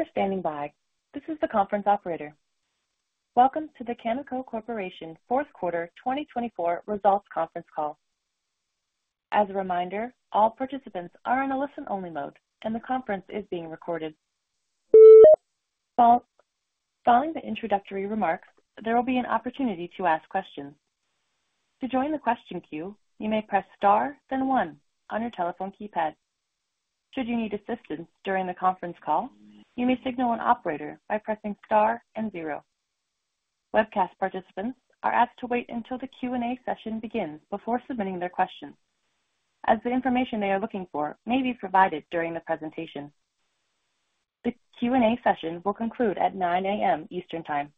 Thank you for standing by. This is the conference operator. Welcome to the Cameco Corporation Fourth Quarter 2024 Results Conference Call. As a reminder, all participants are in a listen-only mode, and the conference is being recorded. Following the introductory remarks, there will be an opportunity to ask questions. To join the question queue, you may press star, then 1, on your telephone keypad. Should you need assistance during the conference call, you may signal an operator by pressing star and zero. Webcast participants are asked to wait until the Q&A session begins before submitting their questions, as the information they are looking for may be provided during the presentation. The Q&A session will conclude at 9:00 A.M. Eastern Time.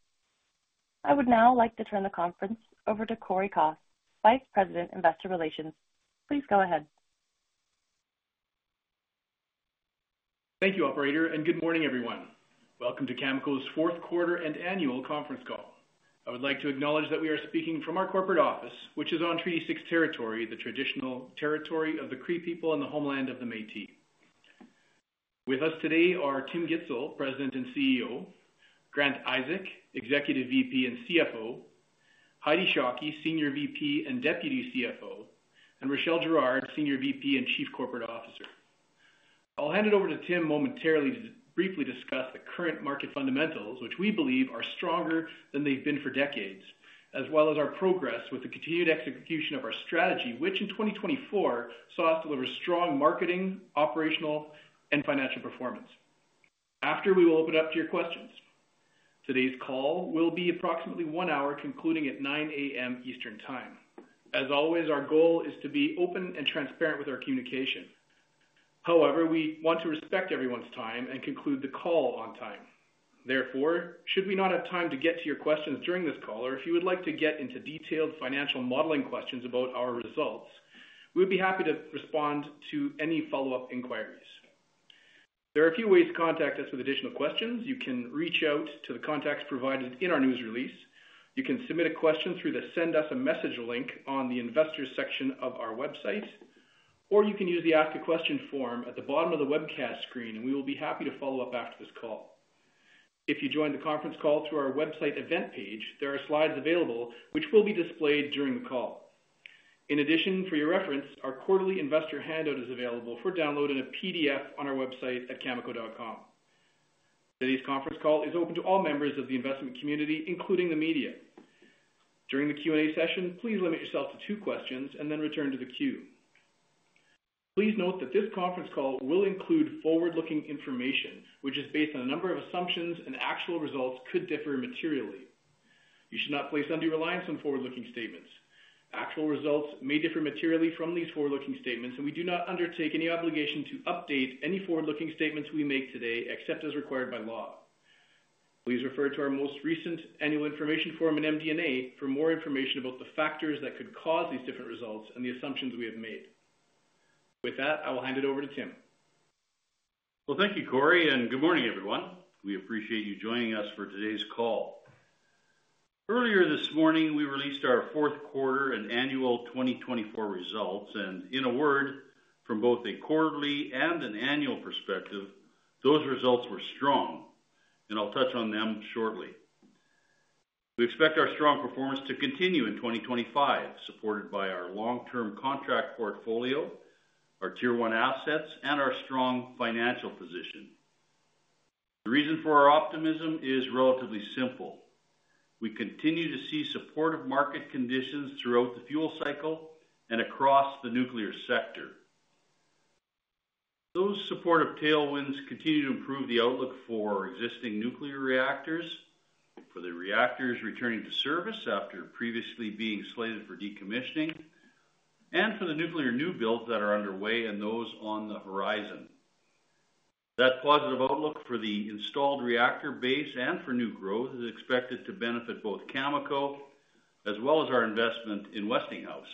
I would now like to turn the conference over to Cory Kos, Vice President, Investor Relations. Please go ahead. Thank you, Operator, and good morning, everyone. Welcome to Cameco's Fourth Quarter and Annual Conference Call. I would like to acknowledge that we are speaking from our corporate office, which is on Treaty 6 territory, the traditional territory of the Cree people and the homeland of the Métis. With us today are Tim Gitzel, President and CEO, Grant Isaac, Executive VP and CFO, Heidi Shockey, Senior VP and Deputy CFO, and Rachelle Girard, Senior VP and Chief Corporate Officer. I'll hand it over to Tim momentarily to briefly discuss the current market fundamentals, which we believe are stronger than they've been for decades, as well as our progress with the continued execution of our strategy, which in 2024 saw us deliver strong marketing, operational, and financial performance. After we will open up to your questions. Today's call will be approximately one hour, concluding at 9:00 A.M. Eastern Time. As always, our goal is to be open and transparent with our communication. However, we want to respect everyone's time and conclude the call on time. Therefore, should we not have time to get to your questions during this call, or if you would like to get into detailed financial modeling questions about our results, we would be happy to respond to any follow-up inquiries. There are a few ways to contact us with additional questions. You can reach out to the contacts provided in our news release. You can submit a question through the Send Us a Message link on the Investors section of our website, or you can use the Ask a Question form at the bottom of the webcast screen, and we will be happy to follow up after this call. If you joined the conference call through our website event page, there are slides available, which will be displayed during the call. In addition, for your reference, our quarterly investor handout is available for download in a PDF on our website at cameco.com. Today's conference call is open to all members of the investment community, including the media. During the Q&A session, please limit yourself to two questions and then return to the queue. Please note that this conference call will include forward-looking information, which is based on a number of assumptions, and actual results could differ materially. You should not place undue reliance on forward-looking statements. Actual results may differ materially from these forward-looking statements, and we do not undertake any obligation to update any forward-looking statements we make today except as required by law. Please refer to our most recent Annual Information Form and MD&A for more information about the factors that could cause these different results and the assumptions we have made. With that, I will hand it over to Tim. Thank you, Cory, and good morning, everyone. We appreciate you joining us for today's call. Earlier this morning, we released our Fourth Quarter and Annual 2024 results, and in a word, from both a quarterly and an annual perspective, those results were strong, and I'll touch on them shortly. We expect our strong performance to continue in 2025, supported by our long-term contract portfolio, our Tier One assets, and our strong financial position. The reason for our optimism is relatively simple. We continue to see supportive market conditions throughout the fuel cycle and across the nuclear sector. Those supportive tailwinds continue to improve the outlook for existing nuclear reactors, for the reactors returning to service after previously being slated for decommissioning, and for the nuclear new builds that are underway and those on the horizon. That positive outlook for the installed reactor base and for new growth is expected to benefit both Cameco as well as our investment in Westinghouse.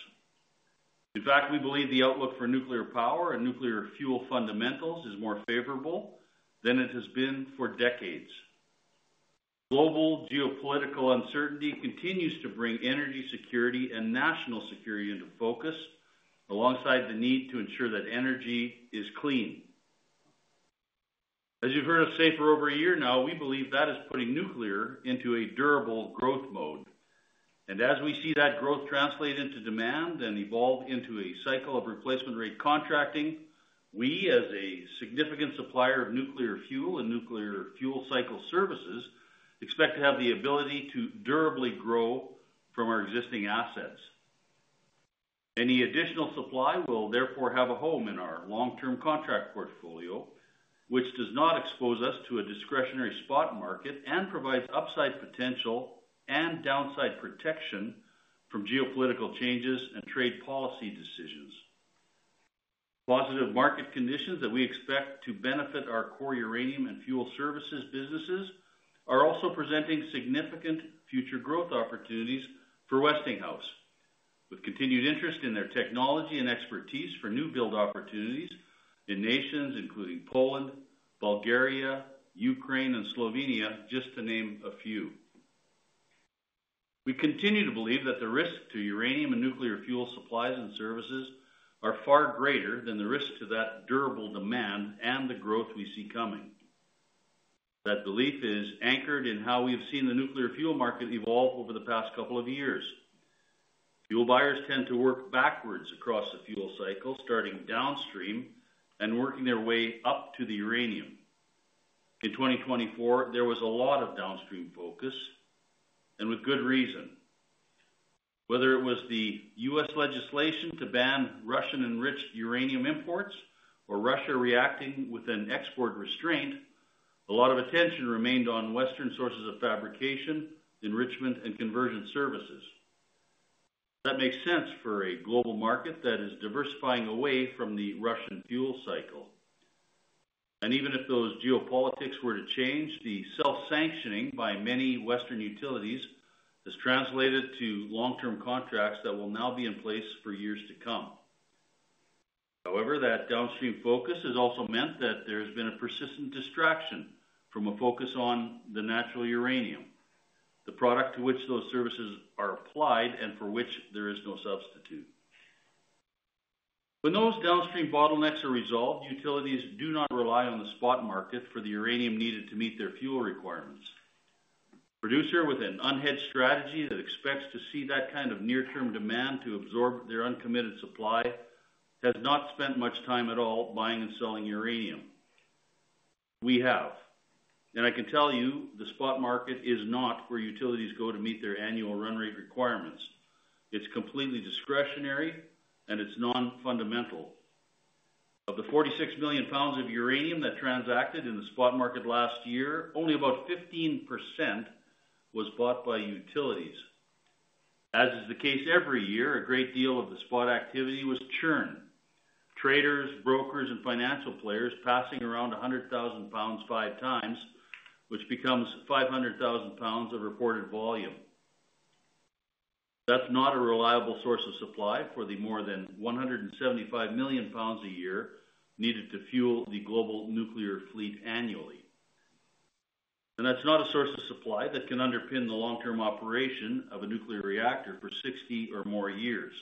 In fact, we believe the outlook for nuclear power and nuclear fuel fundamentals is more favorable than it has been for decades. Global geopolitical uncertainty continues to bring energy security and national security into focus, alongside the need to ensure that energy is clean. As you've heard us say for over a year now, we believe that is putting nuclear into a durable growth mode. And as we see that growth translate into demand and evolve into a cycle of replacement rate contracting, we, as a significant supplier of nuclear fuel and nuclear fuel cycle services, expect to have the ability to durably grow from our existing assets. Any additional supply will therefore have a home in our long-term contract portfolio, which does not expose us to a discretionary spot market and provides upside potential and downside protection from geopolitical changes and trade policy decisions. Positive market conditions that we expect to benefit our core uranium and fuel services businesses are also presenting significant future growth opportunities for Westinghouse, with continued interest in their technology and expertise for new build opportunities in nations including Poland, Bulgaria, Ukraine, and Slovenia, just to name a few. We continue to believe that the risk to uranium and nuclear fuel supplies and services are far greater than the risk to that durable demand and the growth we see coming. That belief is anchored in how we have seen the nuclear fuel market evolve over the past couple of years. Fuel buyers tend to work backwards across the fuel cycle, starting downstream and working their way up to the uranium. In 2024, there was a lot of downstream focus, and with good reason. Whether it was the U.S. legislation to ban Russian-enriched uranium imports or Russia reacting with an export restraint, a lot of attention remained on Western sources of fabrication, enrichment, and conversion services. That makes sense for a global market that is diversifying away from the Russian fuel cycle. And even if those geopolitics were to change, the self-sanctioning by many Western utilities has translated to long-term contracts that will now be in place for years to come. However, that downstream focus has also meant that there has been a persistent distraction from a focus on the natural uranium, the product to which those services are applied and for which there is no substitute. When those downstream bottlenecks are resolved, utilities do not rely on the spot market for the uranium needed to meet their fuel requirements. A producer with an unhedged strategy that expects to see that kind of near-term demand to absorb their uncommitted supply has not spent much time at all buying and selling uranium. We have. And I can tell you the spot market is not where utilities go to meet their annual run rate requirements. It's completely discretionary, and it's non-fundamental. Of the 46 million pounds of uranium that transacted in the spot market last year, only about 15% was bought by utilities. As is the case every year, a great deal of the spot activity was churn: traders, brokers, and financial players passing around 100,000 pounds five times, which becomes 500,000 pounds of reported volume. That's not a reliable source of supply for the more than 175 million pounds a year needed to fuel the global nuclear fleet annually, and that's not a source of supply that can underpin the long-term operation of a nuclear reactor for 60 or more years.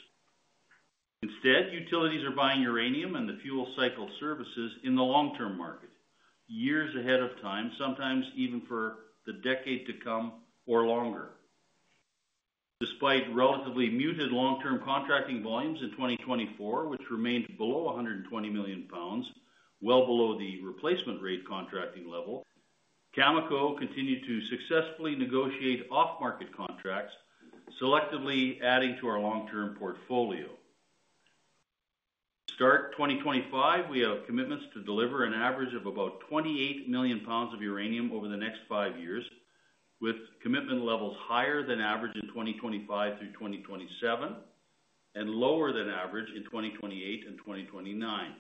Instead, utilities are buying uranium and the fuel cycle services in the long-term market years ahead of time, sometimes even for the decade to come or longer. Despite relatively muted long-term contracting volumes in 2024, which remained below 120 million pounds, well below the replacement rate contracting level, Cameco continued to successfully negotiate off-market contracts, selectively adding to our long-term portfolio. To start 2025, we have commitments to deliver an average of about 28 million pounds of uranium over the next five years, with commitment levels higher than average in 2025 through 2027 and lower than average in 2028 and 2029.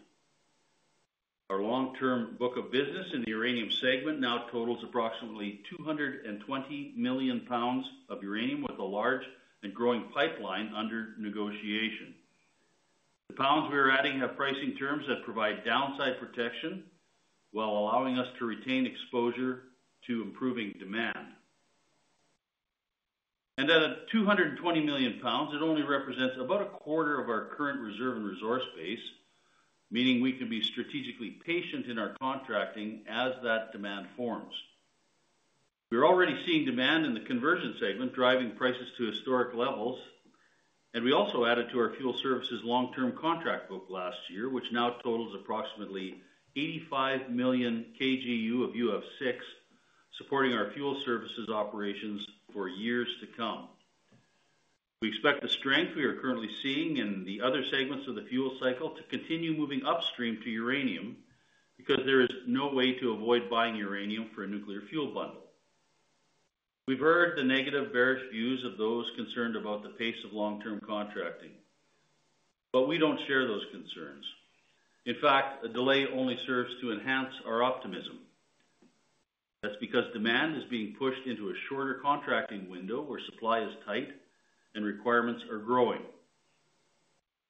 Our long-term book of business in the uranium segment now totals approximately 220 million pounds of uranium with a large and growing pipeline under negotiation. The pounds we are adding have pricing terms that provide downside protection while allowing us to retain exposure to improving demand, and at 220 million pounds, it only represents about a 1/4 of our current reserve and resource base, meaning we can be strategically patient in our contracting as that demand forms. We're already seeing demand in the conversion segment driving prices to historic levels, and we also added to our fuel services long-term contract book last year, which now totals approximately 85 million KgU of UF6, supporting our fuel services operations for years to come. We expect the strength we are currently seeing in the other segments of the fuel cycle to continue moving upstream to uranium because there is no way to avoid buying uranium for a nuclear fuel bundle. We've heard the negative bearish views of those concerned about the pace of long-term contracting, but we don't share those concerns. In fact, a delay only serves to enhance our optimism. That's because demand is being pushed into a shorter contracting window where supply is tight and requirements are growing,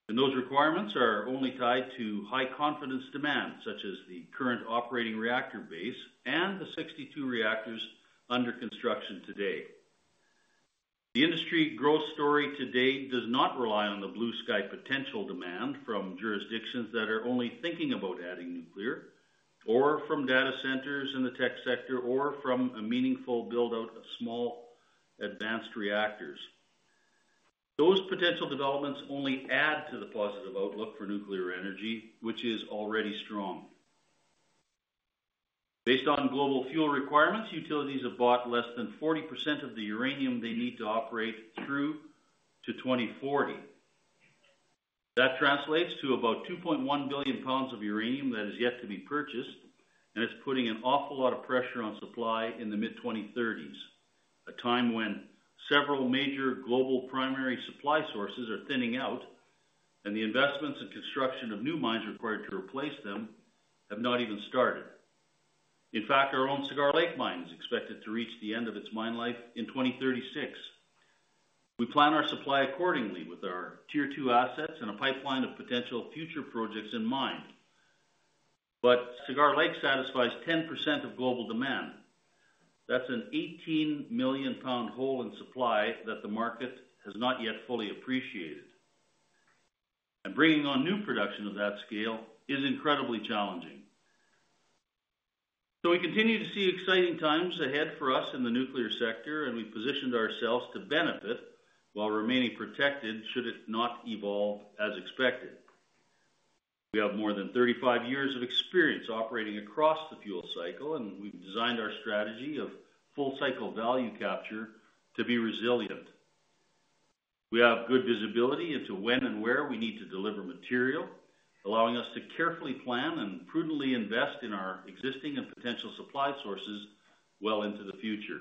and those requirements are only tied to high-confidence demand, such as the current operating reactor base and the 62 reactors under construction today. The industry growth story today does not rely on the blue sky potential demand from jurisdictions that are only thinking about adding nuclear, or from data centers in the tech sector, or from a meaningful build-out of small advanced reactors. Those potential developments only add to the positive outlook for nuclear energy, which is already strong. Based on global fuel requirements, utilities have bought less than 40% of the uranium they need to operate through to 2040. That translates to about 2.1 billion pounds of uranium that is yet to be purchased, and it's putting an awful lot of pressure on supply in the mid-2030s, a time when several major global primary supply sources are thinning out, and the investments in construction of new mines required to replace them have not even started. In fact, our own Cigar Lake mine is expected to reach the end of its mine life in 2036. We plan our supply accordingly with our Tier Two assets and a pipeline of potential future projects in mind. But Cigar Lake satisfies 10% of global demand. That's an 18 million-pound hole in supply that the market has not yet fully appreciated, and bringing on new production of that scale is incredibly challenging, so we continue to see exciting times ahead for us in the nuclear sector, and we've positioned ourselves to benefit while remaining protected should it not evolve as expected. We have more than 35 years of experience operating across the fuel cycle, and we've designed our strategy of full-cycle value capture to be resilient. We have good visibility into when and where we need to deliver material, allowing us to carefully plan and prudently invest in our existing and potential supply sources well into the future.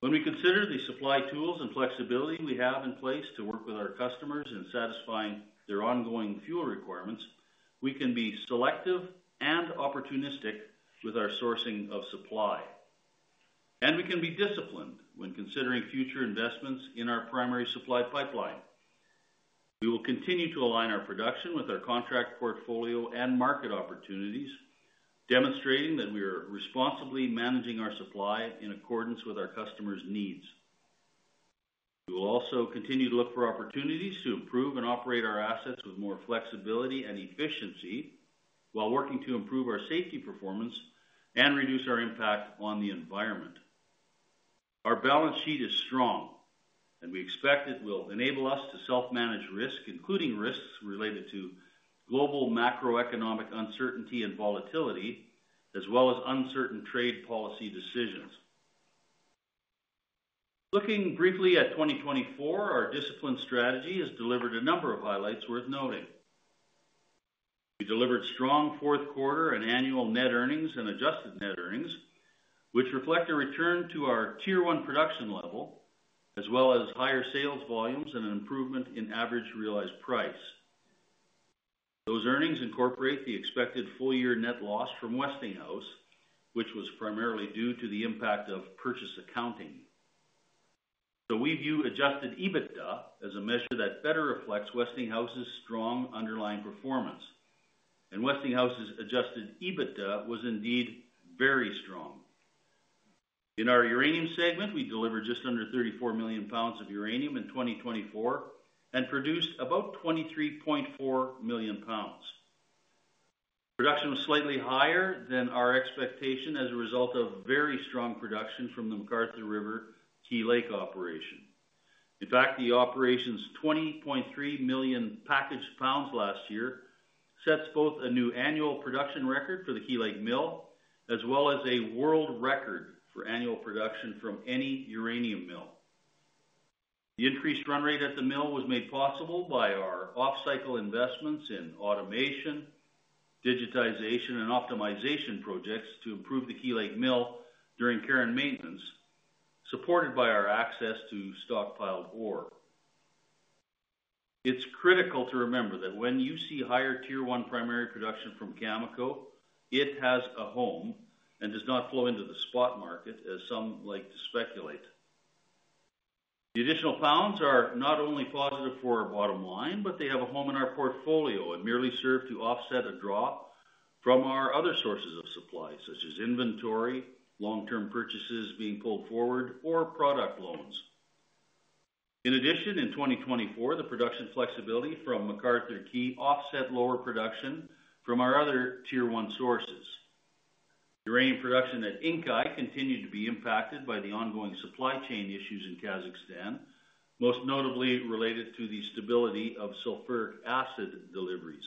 When we consider the supply tools and flexibility we have in place to work with our customers in satisfying their ongoing fuel requirements, we can be selective and opportunistic with our sourcing of supply. And we can be disciplined when considering future investments in our primary supply pipeline. We will continue to align our production with our contract portfolio and market opportunities, demonstrating that we are responsibly managing our supply in accordance with our customers' needs. We will also continue to look for opportunities to improve and operate our assets with more flexibility and efficiency while working to improve our safety performance and reduce our impact on the environment. Our balance sheet is strong, and we expect it will enable us to self-manage risk, including risks related to global macroeconomic uncertainty and volatility, as well as uncertain trade policy decisions. Looking briefly at 2024, our disciplined strategy has delivered a number of highlights worth noting. We delivered strong fourth quarter and annual net earnings and adjusted net earnings, which reflect a return to our Tier One production level, as well as higher sales volumes and an improvement in average realized price. Those earnings incorporate the expected full-year net loss from Westinghouse, which was primarily due to the impact of purchase accounting. So we view Adjusted EBITDA as a measure that better reflects Westinghouse's strong underlying performance. And Westinghouse's Adjusted EBITDA was indeed very strong. In our uranium segment, we delivered just under 34 million pounds of uranium in 2024 and produced about 23.4 million pounds. Production was slightly higher than our expectation as a result of very strong production from the McArthur River/Key Lake operation. In fact, the operation's 20.3 million packaged pounds last year sets both a new annual production record for the Key Lake mill, as well as a world record for annual production from any uranium mill. The increased run rate at the mill was made possible by our off-cycle investments in automation, digitization, and optimization projects to improve the Key Lake mill during care and maintenance, supported by our access to stockpiled ore. It's critical to remember that when you see higher tier one primary production from Cameco, it has a home and does not flow into the spot market, as some like to speculate. The additional pounds are not only positive for our bottom line, but they have a home in our portfolio and merely serve to offset a drop from our other sources of supply, such as inventory, long-term purchases being pulled forward, or product loans. In addition, in 2024, the production flexibility from McArthur River/Key Lake offset lower production from our other Tier One sources. Uranium production at Inkai continued to be impacted by the ongoing supply chain issues in Kazakhstan, most notably related to the stability of sulfuric acid deliveries.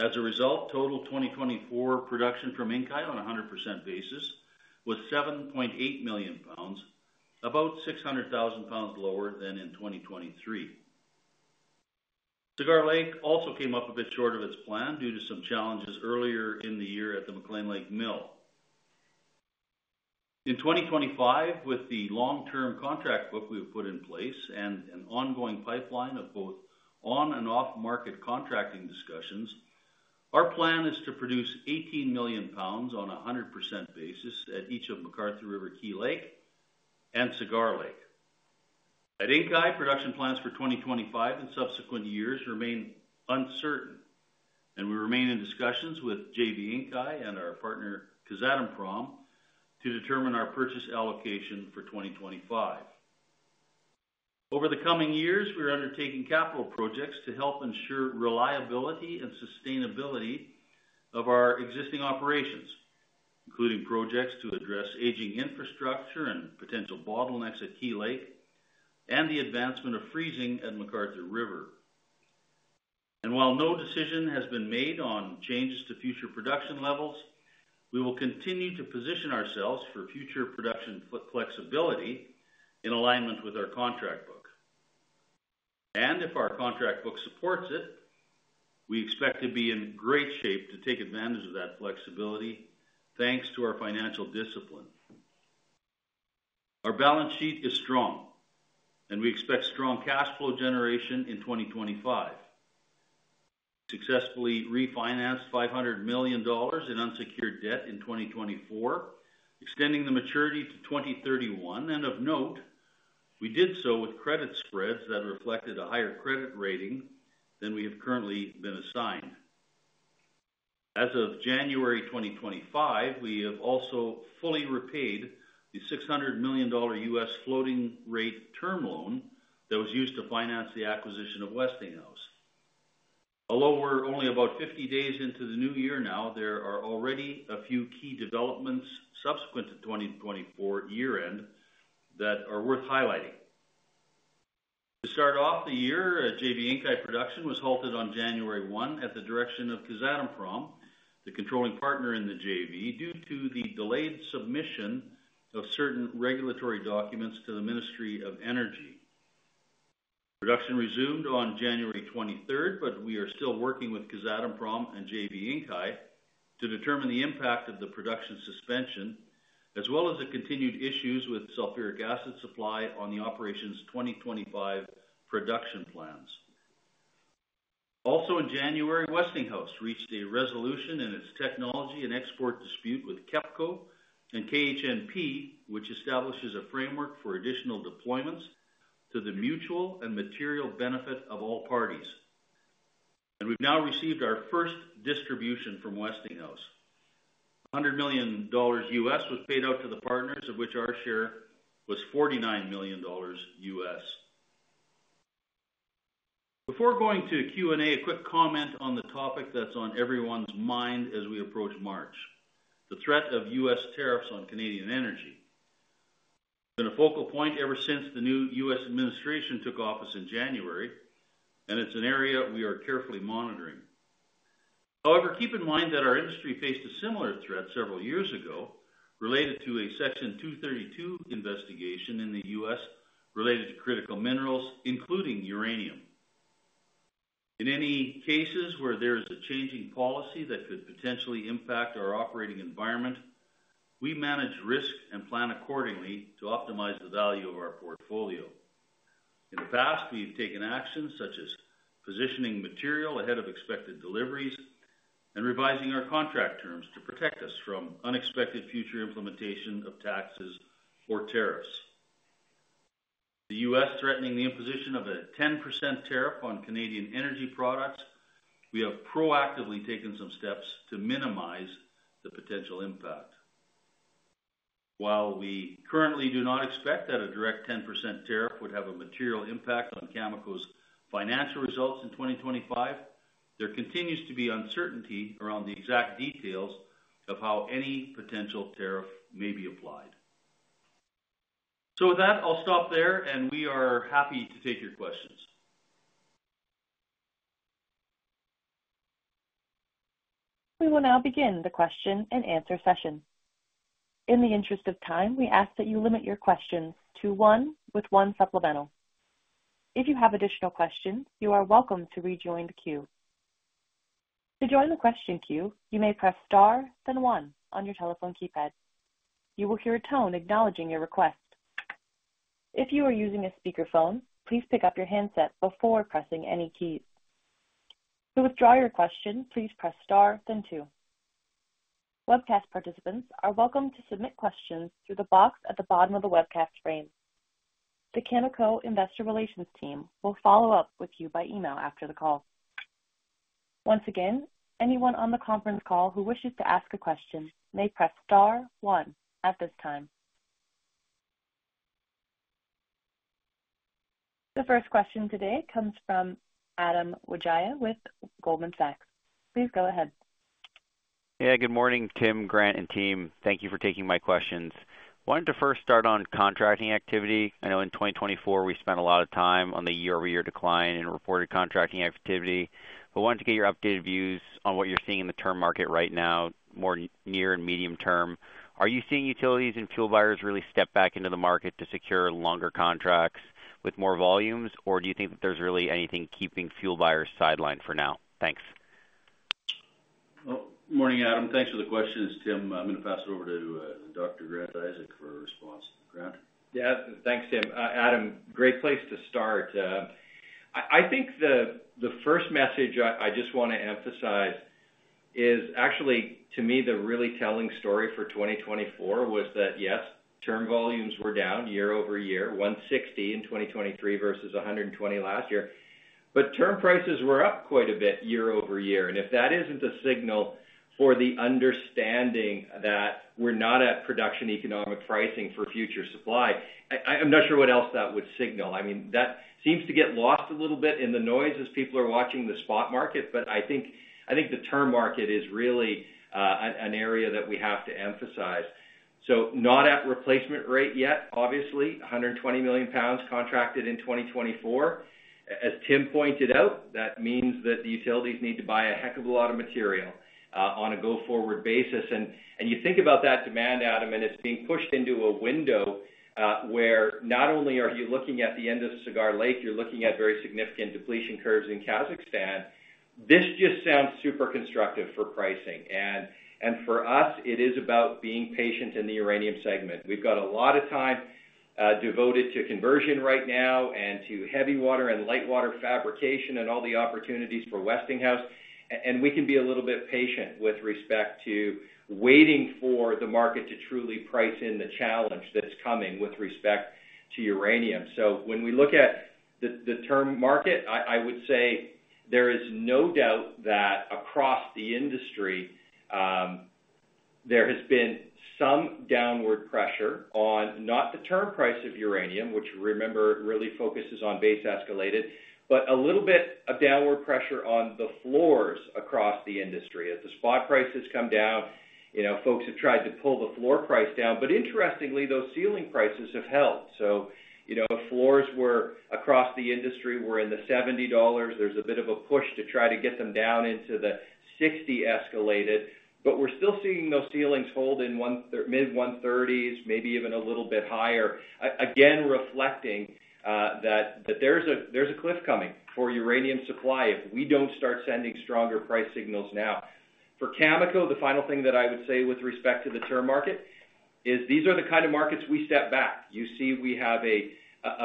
As a result, total 2024 production from Inkai on a 100% basis was 7.8 million pounds, about 600,000 pounds lower than in 2023. Cigar Lake also came up a bit short of its plan due to some challenges earlier in the year at the McClean Lake mill. In 2025, with the long-term contract book we have put in place and an ongoing pipeline of both on- and off-market contracting discussions, our plan is to produce 18 million pounds on a 100% basis at each of McArthur River/Key Lake and Cigar Lake. At Inkai, production plans for 2025 and subsequent years remain uncertain, and we remain in discussions with JV Inkai and our partner Kazatomprom to determine our purchase allocation for 2025. Over the coming years, we're undertaking capital projects to help ensure reliability and sustainability of our existing operations, including projects to address aging infrastructure and potential bottlenecks at Key Lake and the advancement of freezing at McArthur River, and while no decision has been made on changes to future production levels, we will continue to position ourselves for future production flexibility in alignment with our contract book, and if our contract book supports it, we expect to be in great shape to take advantage of that flexibility, thanks to our financial discipline. Our balance sheet is strong, and we expect strong cash flow generation in 2025. We successfully refinanced $500 million in unsecured debt in 2024, extending the maturity to 2031. Of note, we did so with credit spreads that reflected a higher credit rating than we have currently been assigned. As of January 2025, we have also fully repaid the $600 million U.S. floating rate term loan that was used to finance the acquisition of Westinghouse. Although we're only about 50 days into the new year now, there are already a few key developments subsequent to 2024 year-end that are worth highlighting. To start off the year, JV Inkai production was halted on January 1 at the direction of Kazatomprom, the controlling partner in the JV, due to the delayed submission of certain regulatory documents to the Ministry of Energy. Production resumed on January 23rd, but we are still working with Kazatomprom and JV Inkai to determine the impact of the production suspension, as well as the continued issues with sulfuric acid supply on the operation's 2025 production plans. Also, in January, Westinghouse reached a resolution in its technology and export dispute with KEPCO and KHNP, which establishes a framework for additional deployments to the mutual and material benefit of all parties, and we've now received our first distribution from Westinghouse. $100 million was paid out to the partners, of which our share was $49 million. Before going to Q&A, a quick comment on the topic that's on everyone's mind as we approach March: the threat of U.S. tariffs on Canadian energy. It's been a focal point ever since the new U.S. administration took office in January, and it's an area we are carefully monitoring. However, keep in mind that our industry faced a similar threat several years ago related to a Section 232 investigation in the U.S. related to critical minerals, including uranium. In any cases where there is a changing policy that could potentially impact our operating environment, we manage risk and plan accordingly to optimize the value of our portfolio. In the past, we've taken actions such as positioning material ahead of expected deliveries and revising our contract terms to protect us from unexpected future implementation of taxes or tariffs. The U.S. threatening the imposition of a 10% tariff on Canadian energy products, we have proactively taken some steps to minimize the potential impact. While we currently do not expect that a direct 10% tariff would have a material impact on Cameco's financial results in 2025, there continues to be uncertainty around the exact details of how any potential tariff may be applied. So with that, I'll stop there, and we are happy to take your questions. We will now begin the question and answer session. In the interest of time, we ask that you limit your questions to one with one supplemental. If you have additional questions, you are welcome to rejoin the queue. To join the question queue, you may press star, then 1 on your telephone keypad. You will hear a tone acknowledging your request. If you are using a speakerphone, please pick up your handset before pressing any keys. To withdraw your question, please press star, then 2. Webcast participants are welcome to submit questions through the box at the bottom of the webcast frame. The Cameco Investor Relations team will follow up with you by email after the call. Once again, anyone on the conference call who wishes to ask a question may press star, 1 at this time. The first question today comes from Adam Wijaya with Goldman Sachs. Please go ahead. Yeah, good morning, Tim, Grant, and team. Thank you for taking my questions. Wanted to first start on contracting activity. I know in 2024, we spent a lot of time on the year-over-year decline in reported contracting activity. But wanted to get your updated views on what you're seeing in the term market right now, more near and medium term. Are you seeing utilities and fuel buyers really step back into the market to secure longer contracts with more volumes, or do you think that there's really anything keeping fuel buyers sidelined for now? Thanks. Morning, Adam. Thanks for the questions, Tim. I'm going to pass it over to Dr. Grant Isaac for a response. Grant? Yeah, thanks, Tim. Adam, great place to start. I think the first message I just want to emphasize is actually, to me, the really telling story for 2024 was that, yes, term volumes were down year over year, 160 in 2023 versus 120 last year. But term prices were up quite a bit year over year, and if that isn't a signal for the understanding that we're not at production economic pricing for future supply, I'm not sure what else that would signal. I mean, that seems to get lost a little bit in the noise as people are watching the spot market, but I think the term market is really an area that we have to emphasize. So not at replacement rate yet, obviously, 120 million pounds contracted in 2024. As Tim pointed out, that means that the utilities need to buy a heck of a lot of material on a go-forward basis. And you think about that demand, Adam, and it's being pushed into a window where not only are you looking at the end of Cigar Lake, you're looking at very significant depletion curves in Kazakhstan. This just sounds super constructive for pricing. And for us, it is about being patient in the uranium segment. We've got a lot of time devoted to conversion right now and to heavy water and light water fabrication and all the opportunities for Westinghouse. We can be a little bit patient with respect to waiting for the market to truly price in the challenge that's coming with respect to uranium. When we look at the term market, I would say there is no doubt that across the industry, there has been some downward pressure on not the term price of uranium, which, remember, really focuses on base escalated, but a little bit of downward pressure on the floors across the industry. As the spot prices come down, folks have tried to pull the floor price down. Interestingly, those ceiling prices have held. Floors across the industry were in the $70s. There's a bit of a push to try to get them down into the 60s escalated. We're still seeing those ceilings hold in mid-130s, maybe even a little bit higher. Again, reflecting that there's a cliff coming for uranium supply if we don't start sending stronger price signals now. For Cameco, the final thing that I would say with respect to the term market is these are the kind of markets we step back. You see we have a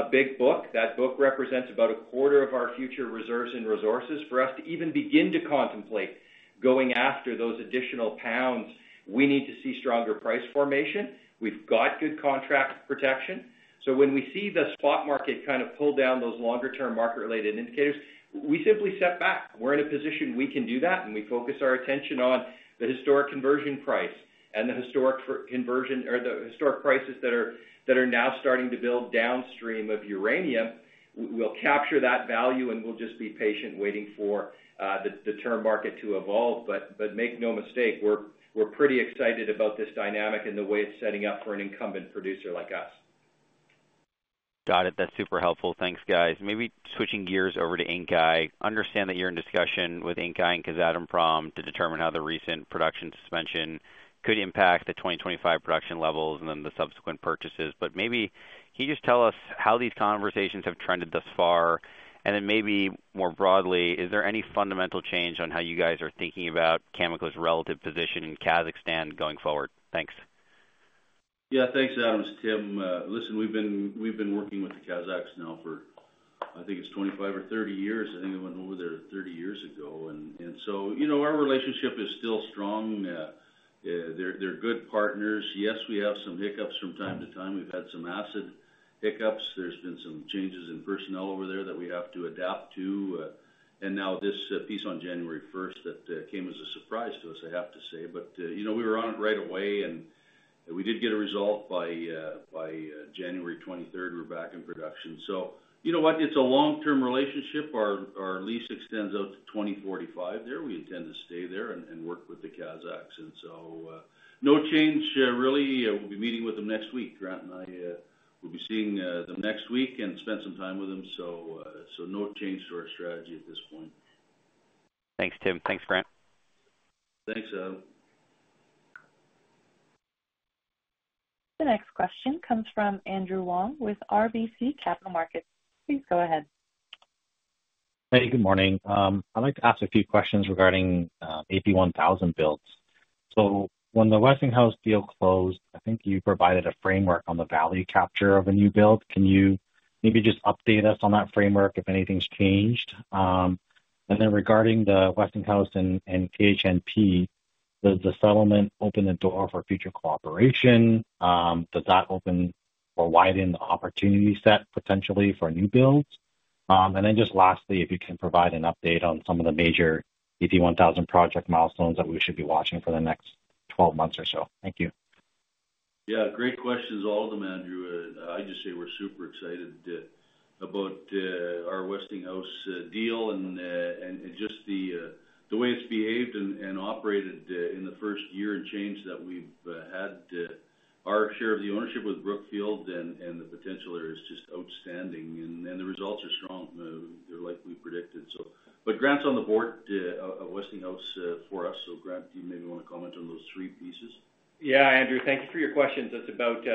big book. That book represents about a 1/4 of our future reserves and resources for us to even begin to contemplate going after those additional pounds. We need to see stronger price formation. We've got good contract protection. So when we see the spot market kind of pull down those longer-term market-related indicators, we simply step back. We're in a position we can do that, and we focus our attention on the historic conversion price and the historic conversion or the historic prices that are now starting to build downstream of uranium. We'll capture that value, and we'll just be patient waiting for the term market to evolve. But make no mistake, we're pretty excited about this dynamic and the way it's setting up for an incumbent producer like us. Got it. That's super helpful. Thanks, guys. Maybe switching gears over to Inkai. Understand that you're in discussion with Inkai and Kazatomprom to determine how the recent production suspension could impact the 2025 production levels and then the subsequent purchases. But maybe can you just tell us how these conversations have trended thus far? And then maybe more broadly, is there any fundamental change on how you guys are thinking about Cameco's relative position in Kazakhstan going forward? Thanks. Yeah, thanks, Adam. Tim, listen, we've been working with the Kazakhs now for, I think it's 25 or 30 years. I think they went over there 30 years ago. And so our relationship is still strong. They're good partners. Yes, we have some hiccups from time to time. We've had some acid hiccups. There's been some changes in personnel over there that we have to adapt to. And now this piece on January 1st that came as a surprise to us, I have to say. But we were on it right away, and we did get a result by January 23rd. We're back in production. So you know what? It's a long-term relationship. Our lease extends out to 2045 there. We intend to stay there and work with the Kazakhs. And so no change, really. We'll be meeting with them next week. Grant and I will be seeing them next week and spend some time with them. So no change to our strategy at this point. Thanks, Tim. Thanks, Grant. Thanks, Adam. The next question comes from Andrew Wong with RBC Capital Markets. Please go ahead. Hey, good morning. I'd like to ask a few questions regarding AP1000 builds. So when the Westinghouse deal closed, I think you provided a framework on the value capture of a new build. Can you maybe just update us on that framework if anything's changed? And then regarding the Westinghouse and KHNP, does the settlement open the door for future cooperation? Does that open or widen the opportunity set potentially for new builds? And then just lastly, if you can provide an update on some of the major AP1000 project milestones that we should be watching for the next 12 months or so. Thank you. Yeah, great questions, all of them, Andrew. I just say we're super excited about our Westinghouse deal and just the way it's behaved and operated in the first year and change that we've had. Our share of the ownership with Brookfield and the potential there is just outstanding. And the results are strong. They're like we predicted. But Grant's on the board of Westinghouse for us. So Grant, do you maybe want to comment on those three pieces? Yeah, Andrew, thank you for your questions. It's about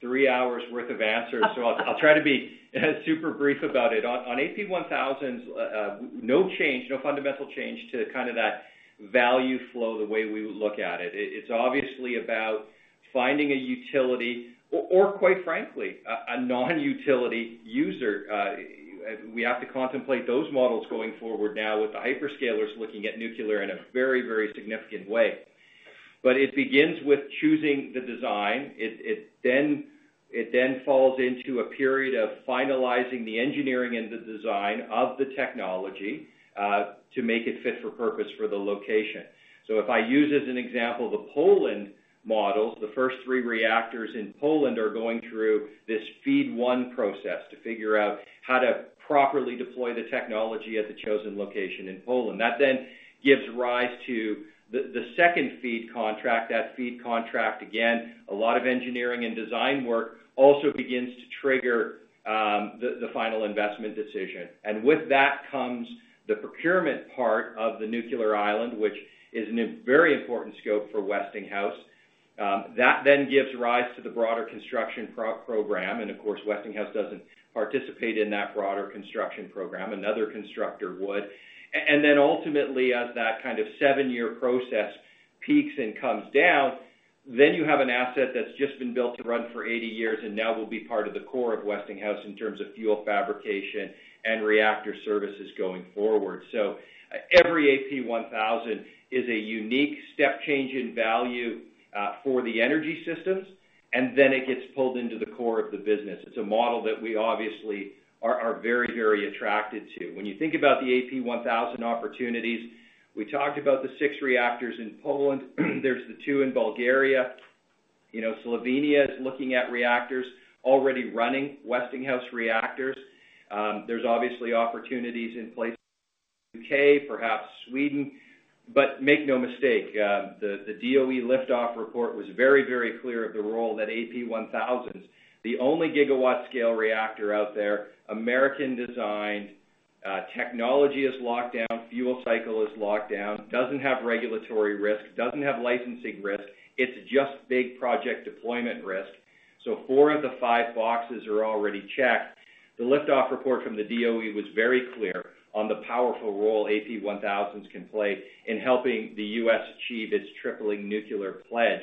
three hours' worth of answers. So I'll try to be super brief about it. On AP1000s, no change, no fundamental change to kind of that value flow, the way we look at it. It's obviously about finding a utility or, quite frankly, a non-utility user. We have to contemplate those models going forward now with the hyperscalers looking at nuclear in a very, very significant way. It begins with choosing the design. It then falls into a period of finalizing the engineering and the design of the technology to make it fit for purpose for the location. So if I use as an example the Poland models, the first three reactors in Poland are going through this FEED one process to figure out how to properly deploy the technology at the chosen location in Poland. That then gives rise to the second FEED contract. That FEED contract, again, a lot of engineering and design work also begins to trigger the final investment decision. With that comes the procurement part of the nuclear island, which is in a very important scope for Westinghouse. That then gives rise to the broader construction program. Of course, Westinghouse doesn't participate in that broader construction program. Another constructor would. And then ultimately, as that kind of seven-year process peaks and comes down, then you have an asset that's just been built to run for 80 years and now will be part of the core of Westinghouse in terms of fuel fabrication and reactor services going forward. So every AP1000 is a unique step change in value for the energy systems, and then it gets pulled into the core of the business. It's a model that we obviously are very, very attracted to. When you think about the AP1000 opportunities, we talked about the six reactors in Poland. There's the two in Bulgaria. Slovenia is looking at reactors already running Westinghouse reactors. There's obviously opportunities in place in the U.K., perhaps Sweden. But make no mistake, the DOE liftoff report was very, very clear of the role that AP1000s, the only gigawatt-scale reactor out there, American-designed, technology is locked down, fuel cycle is locked down, doesn't have regulatory risk, doesn't have licensing risk. It's just big project deployment risk. So four of the five boxes are already checked. The liftoff report from the DOE was very clear on the powerful role AP1000s can play in helping the U.S. achieve its tripling nuclear pledge,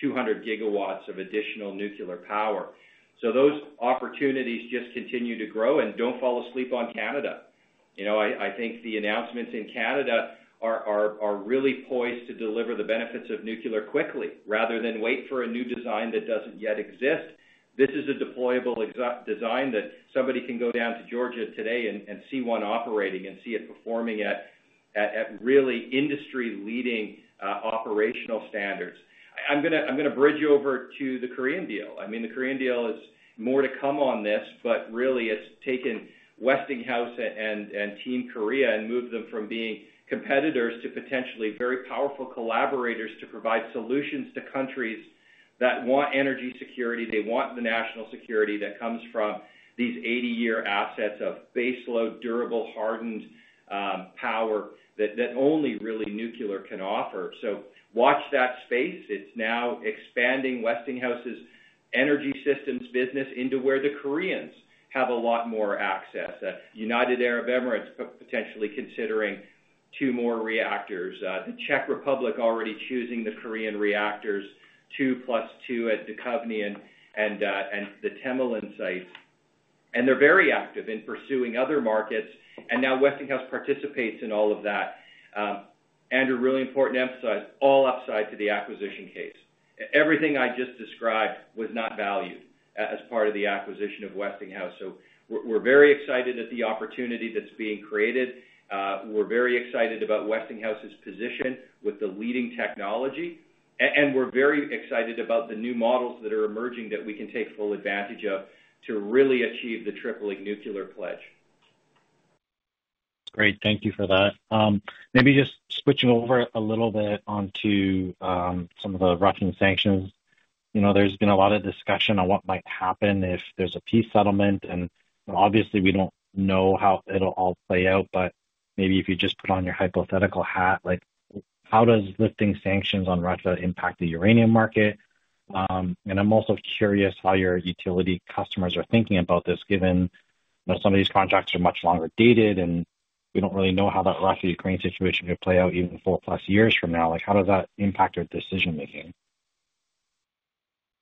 200 GW of additional nuclear power. So those opportunities just continue to grow and don't fall asleep on Canada. I think the announcements in Canada are really poised to deliver the benefits of nuclear quickly rather than wait for a new design that doesn't yet exist. This is a deployable design that somebody can go down to Georgia today and see one operating and see it performing at really industry-leading operational standards. I'm going to bridge over to the Korean deal. I mean, the Korean deal is more to come on this, but really, it's taken Westinghouse and Team Korea and moved them from being competitors to potentially very powerful collaborators to provide solutions to countries that want energy security. They want the national security that comes from these 80-year assets of baseload, durable, hardened power that only really nuclear can offer. So watch that space. It's now expanding Westinghouse's energy systems business into where the Koreans have a lot more access. United Arab Emirates potentially considering two more reactors. The Czech Republic already choosing the Korean reactors, two plus two at Dukovany and the Temelín sites. And they're very active in pursuing other markets. And now Westinghouse participates in all of that. Andrew, really important emphasis, all upside to the acquisition case. Everything I just described was not valued as part of the acquisition of Westinghouse. So we're very excited at the opportunity that's being created. We're very excited about Westinghouse's position with the leading technology. And we're very excited about the new models that are emerging that we can take full advantage of to really achieve the tripling nuclear pledge. Great. Thank you for that. Maybe just switching over a little bit onto some of the Russian sanctions. There's been a lot of discussion on what might happen if there's a peace settlement. And obviously, we don't know how it'll all play out, but maybe if you just put on your hypothetical hat, how does lifting sanctions on Russia impact the uranium market? I'm also curious how your utility customers are thinking about this, given some of these contracts are much longer dated, and we don't really know how that Russia-Ukraine situation could play out even 4+ years from now. How does that impact your decision-making?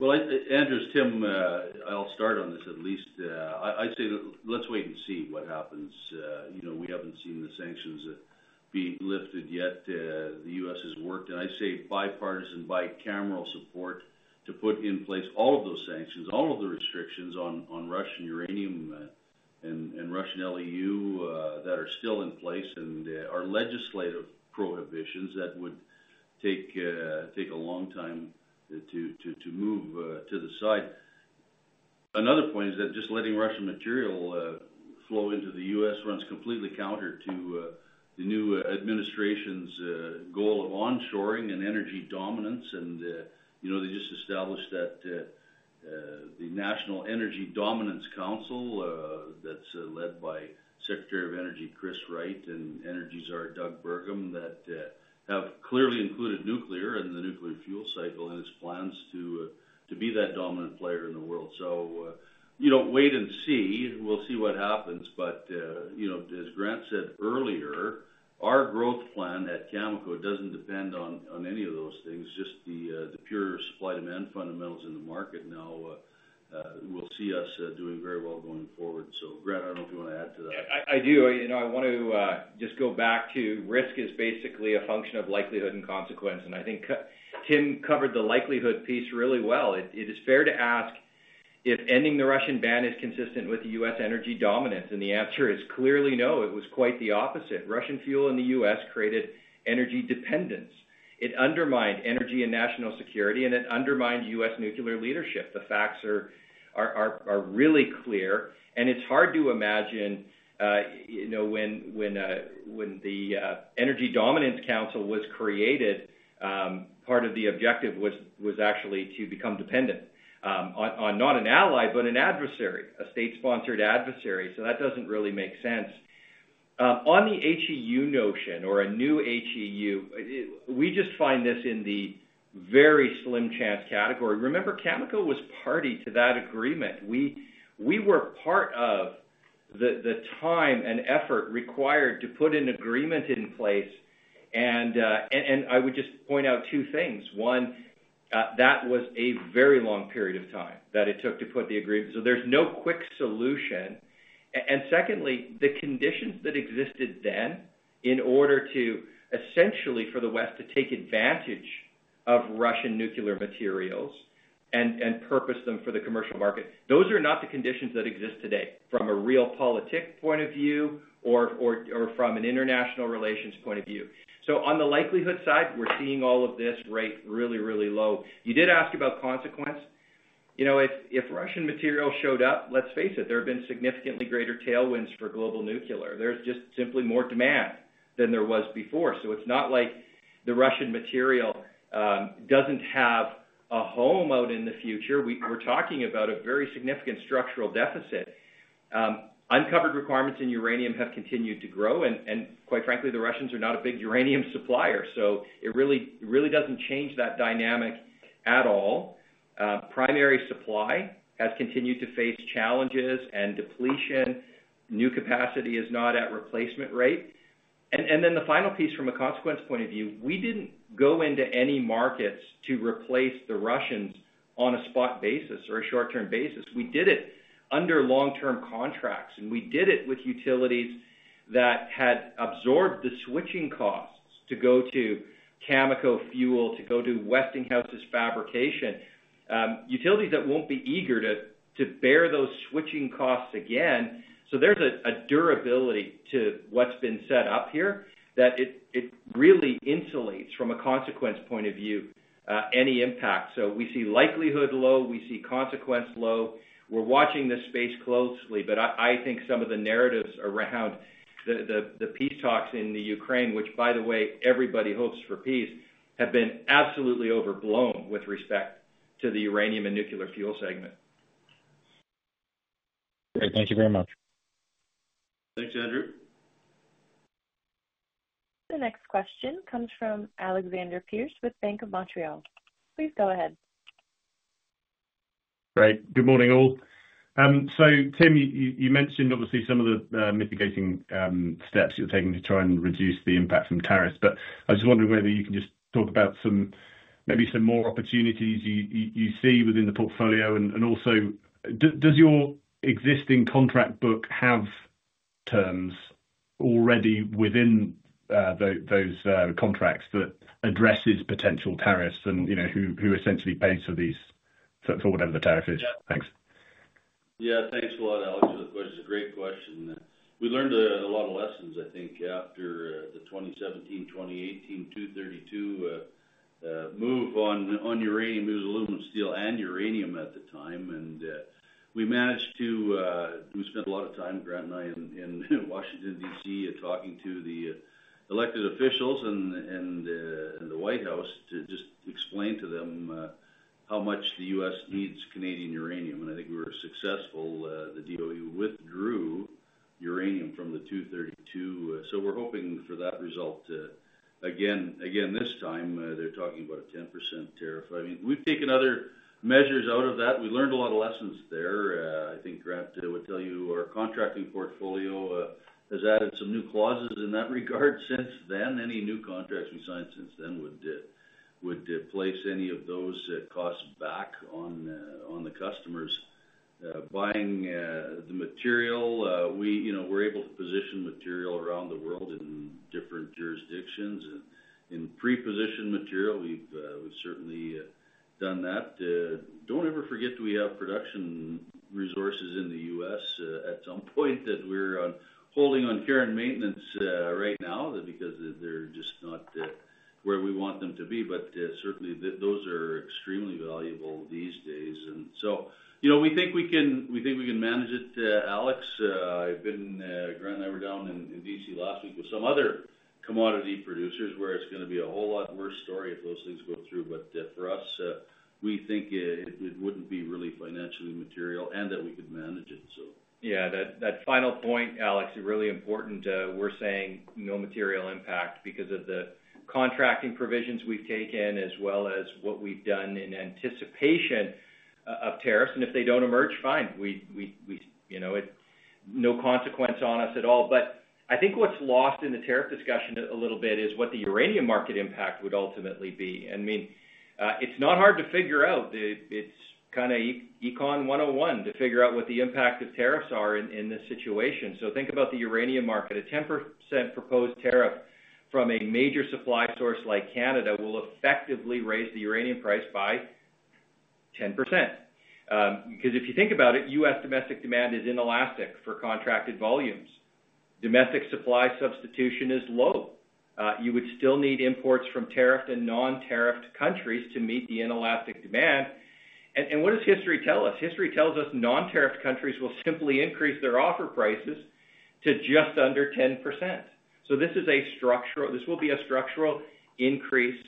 Andrew, Tim, I'll start on this at least. I'd say let's wait and see what happens. We haven't seen the sanctions be lifted yet. The U.S. has worked, and I'd say bipartisan, bicameral support to put in place all of those sanctions, all of the restrictions on Russian uranium and Russian LEU that are still in place and our legislative prohibitions that would take a long time to move to the side. Another point is that just letting Russian material flow into the U.S. runs completely counter to the new administration's goal of onshoring and energy dominance. They just established that the National Energy Dominance Council that's led by Secretary of Energy Chris Wright and energy czar Doug Burgum that have clearly included nuclear and the nuclear fuel cycle and its plans to be that dominant player in the world. So wait and see. We'll see what happens. But as Grant said earlier, our growth plan at Cameco doesn't depend on any of those things, just the pure supply-demand fundamentals in the market. Now, we'll see us doing very well going forward. So, Grant, I don't know if you want to add to that. I do. I want to just go back to risk is basically a function of likelihood and consequence. And I think Tim covered the likelihood piece really well. It is fair to ask if ending the Russian ban is consistent with the U.S. energy dominance. And the answer is clearly no. It was quite the opposite. Russian fuel in the U.S. created energy dependence. It undermined energy and national security, and it undermined U.S. nuclear leadership. The facts are really clear, and it's hard to imagine when the National Energy Dominance Council was created, part of the objective was actually to become dependent on not an ally, but an adversary, a state-sponsored adversary, so that doesn't really make sense. On the HEU notion or a new HEU, we just find this in the very slim chance category. Remember, Cameco was party to that agreement. We were part of the time and effort required to put an agreement in place, and I would just point out two things. One, that was a very long period of time that it took to put the agreement, so there's no quick solution. Secondly, the conditions that existed then in order to essentially for the West to take advantage of Russian nuclear materials and repurpose them for the commercial market, those are not the conditions that exist today from a realpolitik point of view or from an international relations point of view. So on the likelihood side, we're seeing all of this rated really, really low. You did ask about consequence. If Russian material showed up, let's face it, there have been significantly greater tailwinds for global nuclear. There's just simply more demand than there was before. So it's not like the Russian material doesn't have a home out in the future. We're talking about a very significant structural deficit. Uncovered requirements in uranium have continued to grow. And quite frankly, the Russians are not a big uranium supplier. So it really doesn't change that dynamic at all. Primary supply has continued to face challenges and depletion. New capacity is not at replacement rate, and then the final piece from a consequence point of view, we didn't go into any markets to replace the Russians on a spot basis or a short-term basis. We did it under long-term contracts, and we did it with utilities that had absorbed the switching costs to go to Cameco Fuel, to go to Westinghouse's fabrication, utilities that won't be eager to bear those switching costs again, so there's a durability to what's been set up here that it really insulates from a consequence point of view any impact, so we see likelihood low. We see consequence low. We're watching this space closely. But I think some of the narratives around the peace talks in Ukraine, which, by the way, everybody hopes for peace, have been absolutely overblown with respect to the uranium and nuclear fuel segment. Great. Thank you very much. Thanks, Andrew. The next question comes from Alexander Pearce with Bank of Montreal. Please go ahead. Great. Good morning, all. So Tim, you mentioned obviously some of the mitigating steps you're taking to try and reduce the impact from tariffs. But I was just wondering whether you can just talk about maybe some more opportunities you see within the portfolio. And also, does your existing contract book have terms already within those contracts that address potential tariffs and who essentially pays for these, for whatever the tariff is? Thanks. Yeah, thanks a lot, Alexander. That was a great question. We learned a lot of lessons, I think, after the 2017, 2018, 232 move on uranium. It was aluminum, steel, and uranium at the time. We managed to spend a lot of time, Grant and I, in Washington, D.C., talking to the elected officials and the White House to just explain to them how much the U.S. needs Canadian uranium. I think we were successful. The DOE withdrew uranium from the 232. We're hoping for that result. Again, this time, they're talking about a 10% tariff. I mean, we've taken other measures out of that. We learned a lot of lessons there. I think Grant would tell you our contracting portfolio has added some new clauses in that regard since then. Any new contracts we signed since then would place any of those costs back on the customers. Buying the material, we're able to position material around the world in different jurisdictions. In pre-positioned material, we've certainly done that. Don't ever forget we have production resources in the U.S. at some point that we're holding on care and maintenance right now because they're just not where we want them to be. Certainly, those are extremely valuable these days. We think we can manage it, Alex. Grant and I were down in D.C. last week with some other commodity producers where it's going to be a whole lot worse story if those things go through. For us, we think it wouldn't be really financially material and that we could manage it, so. Yeah, that final point, Alex, is really important. We're saying no material impact because of the contracting provisions we've taken as well as what we've done in anticipation of tariffs. If they don't emerge, fine. No consequence on us at all. I think what's lost in the tariff discussion a little bit is what the uranium market impact would ultimately be. I mean, it's not hard to figure out. It's kind of Econ 101 to figure out what the impact of tariffs are in this situation. Think about the uranium market. A 10% proposed tariff from a major supply source like Canada will effectively raise the uranium price by 10%. Because if you think about it, U.S. domestic demand is inelastic for contracted volumes. Domestic supply substitution is low. You would still need imports from tariffed and non-tariffed countries to meet the inelastic demand. What does history tell us? History tells us non-tariffed countries will simply increase their offer prices to just under 10%. This will be a structural increase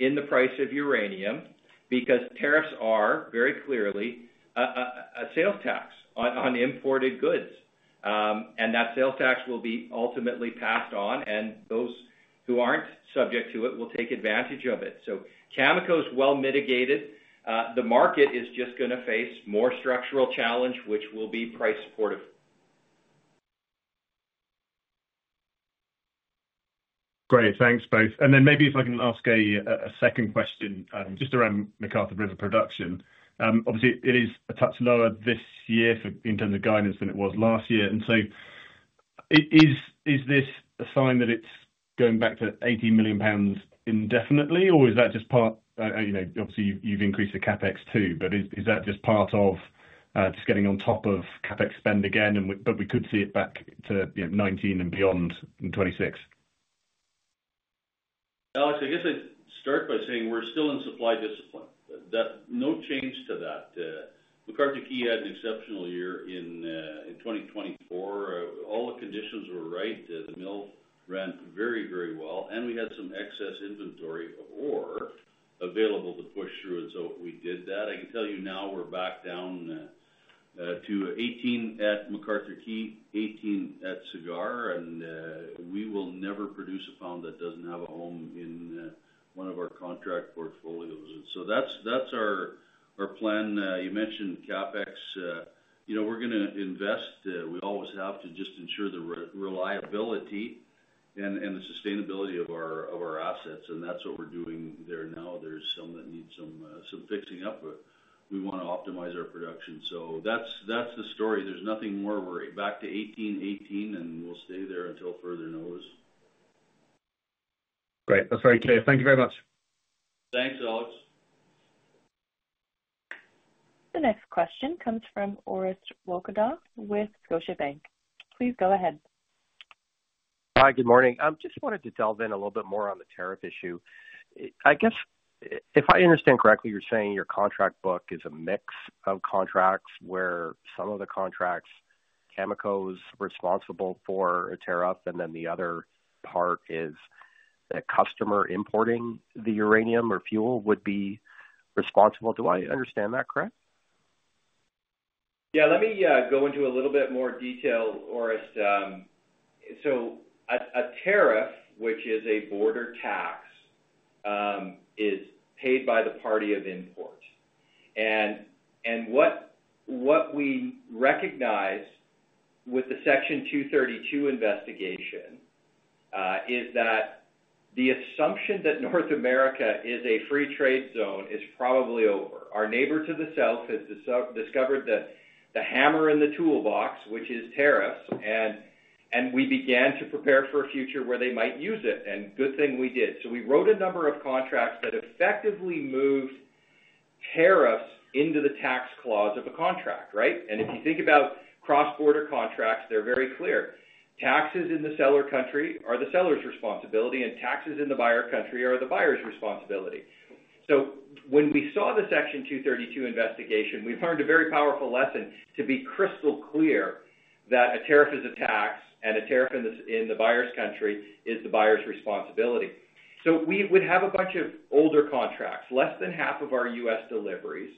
in the price of uranium because tariffs are very clearly a sales tax on imported goods. And that sales tax will be ultimately passed on, and those who aren't subject to it will take advantage of it. So Cameco's well mitigated. The market is just going to face more structural challenge, which will be price supportive. Great. Thanks, both. And then maybe if I can ask a second question just around McArthur River production. Obviously, it is a touch lower this year in terms of guidance than it was last year. And so is this a sign that it's going back to 18 million pounds indefinitely? Or is that just part? Obviously, you've increased the CapEx too, but is that just part of just getting on top of CapEx spend again? But we could see it back to 19 and beyond in 2026. Alex, I guess I'd start by saying we're still in supply discipline. No change to that. McArthur River/Key Lake had an exceptional year in 2024. All the conditions were right. The mill ran very, very well, and we had some excess inventory of ore available to push through, and so we did that. I can tell you now we're back down to 18 at McArthur River/Key Lake, 18 at Cigar. We will never produce a pound that doesn't have a home in one of our contract portfolios, and so that's our plan. You mentioned CapEx. We're going to invest. We always have to just ensure the reliability and the sustainability of our assets, and that's what we're doing there now. There's some that need some fixing up. We want to optimize our production, so that's the story. There's nothing more worry. Back to 18-18, and we'll stay there until further notice. Great. That's very clear. Thank you very much. Thanks, Alex. The next question comes from Orest Wowkodaw with Scotiabank. Please go ahead. Hi, good morning. I just wanted to delve in a little bit more on the tariff issue. I guess if I understand correctly, you're saying your contract book is a mix of contracts where some of the contracts, Cameco's responsible for a tariff, and then the other part is that customer importing the uranium or fuel would be responsible. Do I understand that correct? Yeah, let me go into a little bit more detail, Orest. So a tariff, which is a border tax, is paid by the party of import. And what we recognize with the Section 232 investigation is that the assumption that North America is a free trade zone is probably over. Our neighbor to the south has discovered the hammer in the toolbox, which is tariffs. And we began to prepare for a future where they might use it. And good thing we did. So we wrote a number of contracts that effectively moved tariffs into the tax clause of a contract, right? And if you think about cross-border contracts, they're very clear. Taxes in the seller country are the seller's responsibility, and taxes in the buyer country are the buyer's responsibility. So when we saw the Section 232 investigation, we learned a very powerful lesson to be crystal clear that a tariff is a tax, and a tariff in the buyer's country is the buyer's responsibility. So we would have a bunch of older contracts, less than half of our U.S. deliveries,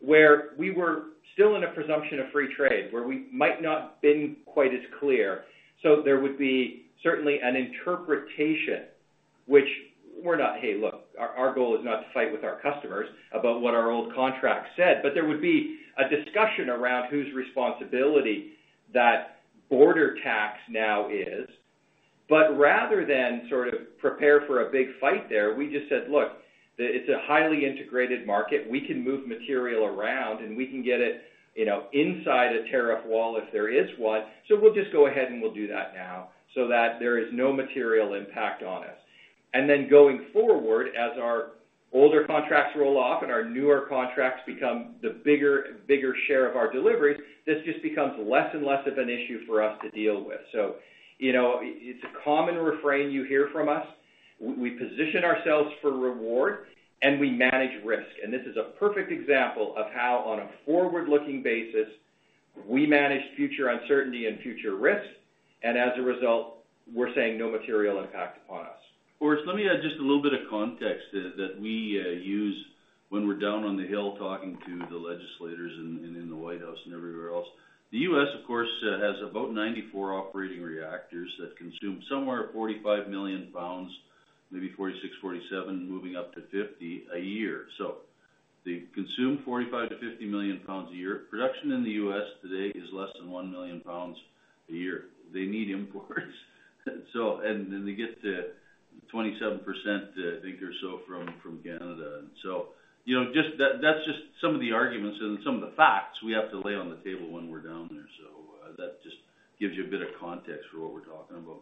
where we were still in a presumption of free trade, where we might not have been quite as clear. So there would be certainly an interpretation, which we're not, "Hey, look, our goal is not to fight with our customers about what our old contract said." But there would be a discussion around whose responsibility that border tax now is. But rather than sort of prepare for a big fight there, we just said, "Look, it's a highly integrated market. We can move material around, and we can get it inside a tariff wall if there is one. So we'll just go ahead and we'll do that now so that there is no material impact on us." And then going forward, as our older contracts roll off and our newer contracts become the bigger share of our deliveries, this just becomes less and less of an issue for us to deal with. So it's a common refrain you hear from us. We position ourselves for reward, and we manage risk. And this is a perfect example of how, on a forward-looking basis, we manage future uncertainty and future risks. And as a result, we're saying no material impact upon us. Orest, let me add just a little bit of context that we use when we're down on the hill talking to the legislators and in the White House and everywhere else. The U.S., of course, has about 94 operating reactors that consume somewhere 45 million pounds, maybe 46, 47, moving up to 50 a year, so they consume 45-50 million pounds a year. Production in the U.S. today is less than one million pounds a year. They need imports, and then they get to 27%, I think, or so from Canada, and so that's just some of the arguments and some of the facts we have to lay on the table when we're down there, so that just gives you a bit of context for what we're talking about.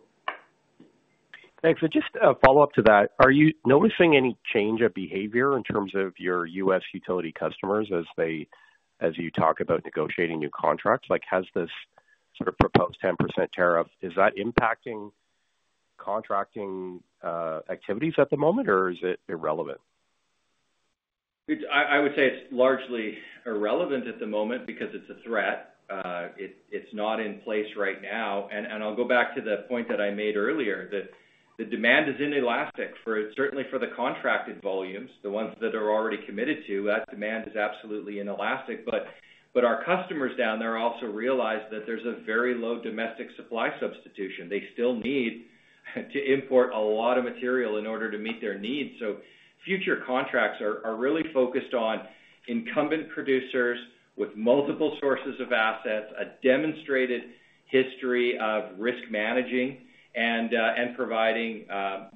Thanks, and just a follow-up to that, are you noticing any change of behavior in terms of your U.S. utility customers as you talk about negotiating new contracts? Has this sort of proposed 10% tariff, is that impacting contracting activities at the moment, or is it irrelevant? I would say it's largely irrelevant at the moment because it's a threat. It's not in place right now. And I'll go back to the point that I made earlier, that the demand is inelastic for certainly for the contracted volumes, the ones that are already committed to. That demand is absolutely inelastic. But our customers down there also realize that there's a very low domestic supply substitution. They still need to import a lot of material in order to meet their needs. So future contracts are really focused on incumbent producers with multiple sources of assets, a demonstrated history of risk managing, and providing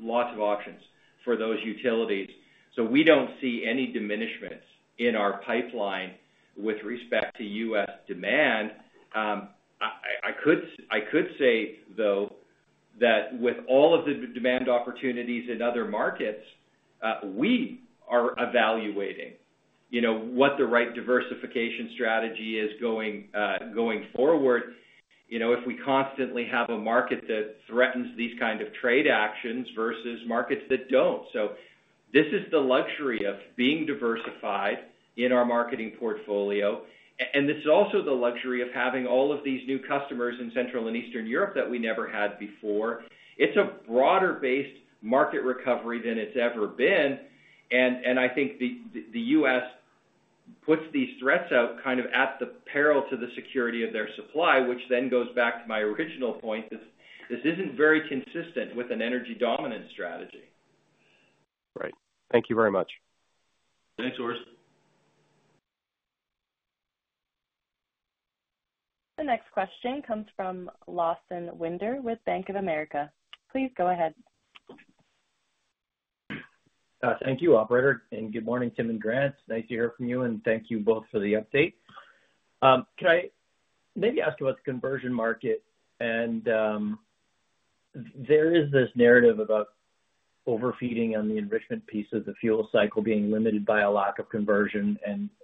lots of options for those utilities. So we don't see any diminishments in our pipeline with respect to U.S. demand. I could say, though, that with all of the demand opportunities in other markets, we are evaluating what the right diversification strategy is going forward if we constantly have a market that threatens these kinds of trade actions versus markets that don't. So this is the luxury of being diversified in our marketing portfolio. And this is also the luxury of having all of these new customers in Central and Eastern Europe that we never had before. It's a broader-based market recovery than it's ever been. And I think the U.S. puts these threats out kind of at the peril to the security of their supply, which then goes back to my original point. This isn't very consistent with an energy dominance strategy. Right. Thank you very much. Thanks, Orest. The next question comes from Lawson Winder with Bank of America. Please go ahead. Thank you, Operator. Good morning, Tim and Grant. Nice to hear from you. Thank you both for the update. Can I maybe ask about the conversion market? There is this narrative about overfeeding on the enrichment piece of the fuel cycle being limited by a lack of conversion.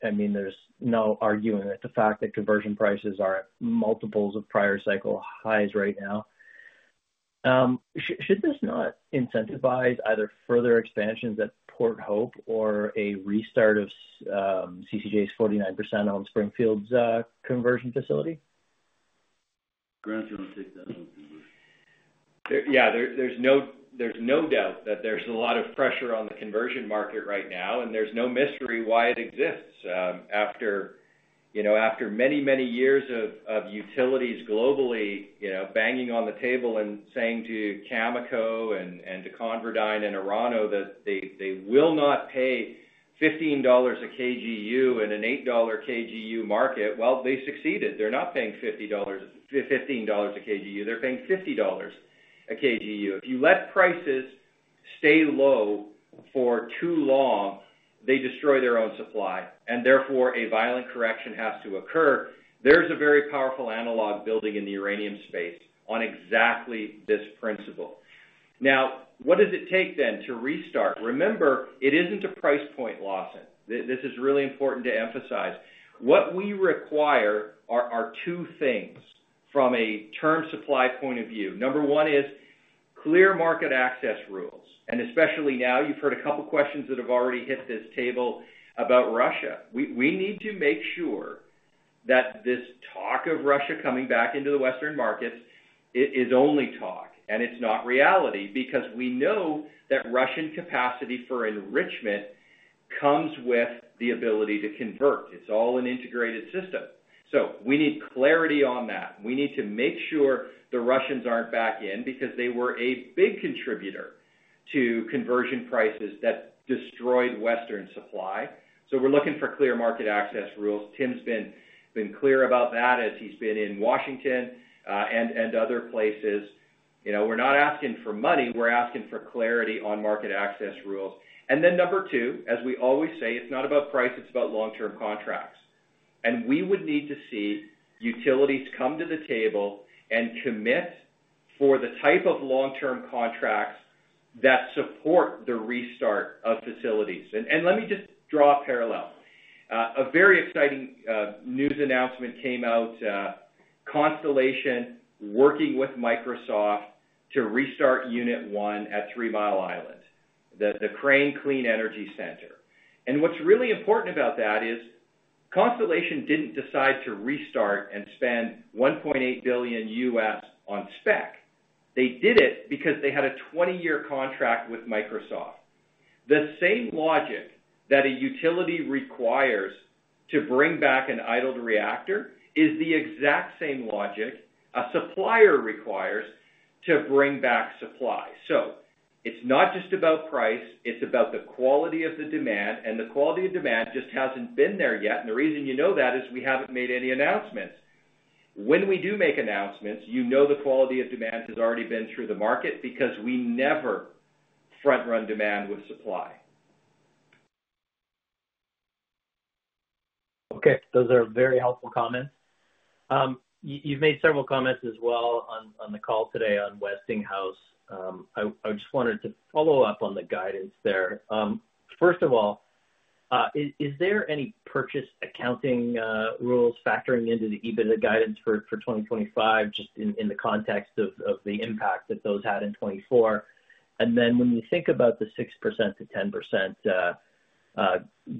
I mean, there's no arguing that the fact that conversion prices are at multiples of prior cycle highs right now. Should this not incentivize either further expansions at Port Hope or a restart of CCJ's 49% on Springfields conversion facility? Grant's going to take that one. Yeah, there's no doubt that there's a lot of pressure on the conversion market right now. There's no mystery why it exists. After many, many years of utilities globally banging on the table and saying to Cameco and to ConverDyn and Orano that they will not pay $15/kgU in an $8/kgU market, well, they succeeded. They're not paying $15/kgU. They're paying $50/kgU. If you let prices stay low for too long, they destroy their own supply. And therefore, a violent correction has to occur. There's a very powerful analog building in the uranium space on exactly this principle. Now, what does it take then to restart? Remember, it isn't a price point loss. This is really important to emphasize. What we require are two things from a term supply point of view. Number one is clear market access rules. And especially now, you've heard a couple of questions that have already hit this table about Russia. We need to make sure that this talk of Russia coming back into the Western markets is only talk, and it's not reality because we know that Russian capacity for enrichment comes with the ability to convert. It's all an integrated system, so we need clarity on that. We need to make sure the Russians aren't back in because they were a big contributor to conversion prices that destroyed Western supply, so we're looking for clear market access rules. Tim's been clear about that as he's been in Washington and other places. We're not asking for money. We're asking for clarity on market access rules, and then number two, as we always say, it's not about price. It's about long-term contracts, and we would need to see utilities come to the table and commit for the type of long-term contracts that support the restart of facilities. Let me just draw a parallel. A very exciting news announcement came out. Constellation working with Microsoft to restart Unit 1 at Three Mile Island, the Crane Clean Energy Center. What's really important about that is Constellation didn't decide to restart and spend $1.8 billion on spec. They did it because they had a 20-year contract with Microsoft. The same logic that a utility requires to bring back an idled reactor is the exact same logic a supplier requires to bring back supply. It's not just about price. It's about the quality of the demand. The quality of demand just hasn't been there yet. The reason you know that is we haven't made any announcements. When we do make announcements, you know the quality of demand has already been through the market because we never front-run demand with supply. Okay. Those are very helpful comments. You've made several comments as well on the call today on Westinghouse. I just wanted to follow up on the guidance there. First of all, is there any purchase accounting rules factoring into the EBITDA guidance for 2025, just in the context of the impact that those had in 2024? And then when you think about the 6%-10%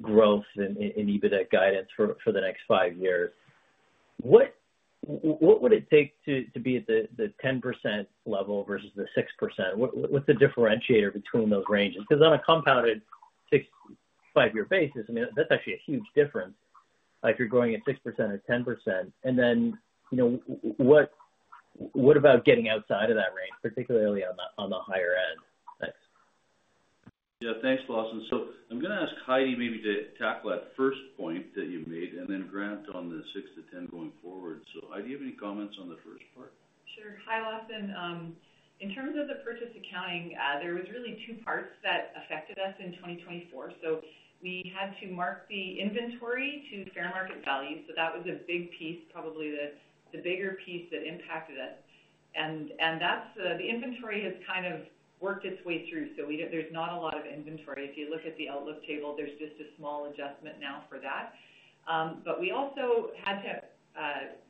growth in EBITDA guidance for the next five years, what would it take to be at the 10% level versus the 6%? What's the differentiator between those ranges? Because on a compounded six-five-year basis, I mean, that's actually a huge difference if you're growing at 6% or 10%. And then what about getting outside of that range, particularly on the higher end? Thanks. Yeah, thanks, Lawson. So I'm going to ask Heidi maybe to tackle that first point that you made, and then Grant on the 6 to 10 going forward. So Heidi, do you have any comments on the first part? Sure. Hi, Lawson. In terms of the purchase accounting, there were really two parts that affected us in 2024. So we had to mark the inventory to fair market value. So that was a big piece, probably the bigger piece that impacted us. And the inventory has kind of worked its way through. So there's not a lot of inventory. If you look at the outlook table, there's just a small adjustment now for that. But we also had to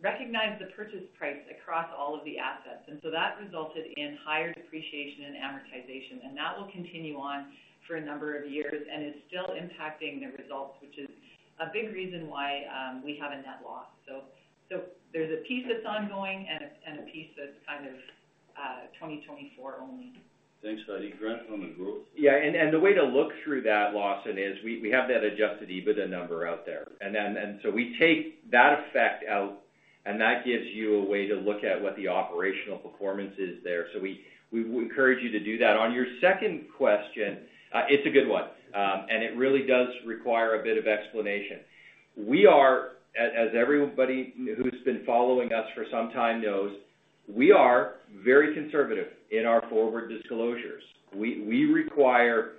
recognize the purchase price across all of the assets. And so that resulted in higher depreciation and amortization. And that will continue on for a number of years and is still impacting the results, which is a big reason why we have a net loss. So there's a piece that's ongoing and a piece that's kind of 2024 only. Thanks, Heidi. Grant on the growth? Yeah. And the way to look through that, Lawson, is we have that Adjusted EBITDA number out there. And so we take that effect out, and that gives you a way to look at what the operational performance is there. So we encourage you to do that. On your second question, it's a good one. And it really does require a bit of explanation. As everybody who's been following us for some time knows, we are very conservative in our forward disclosures. We require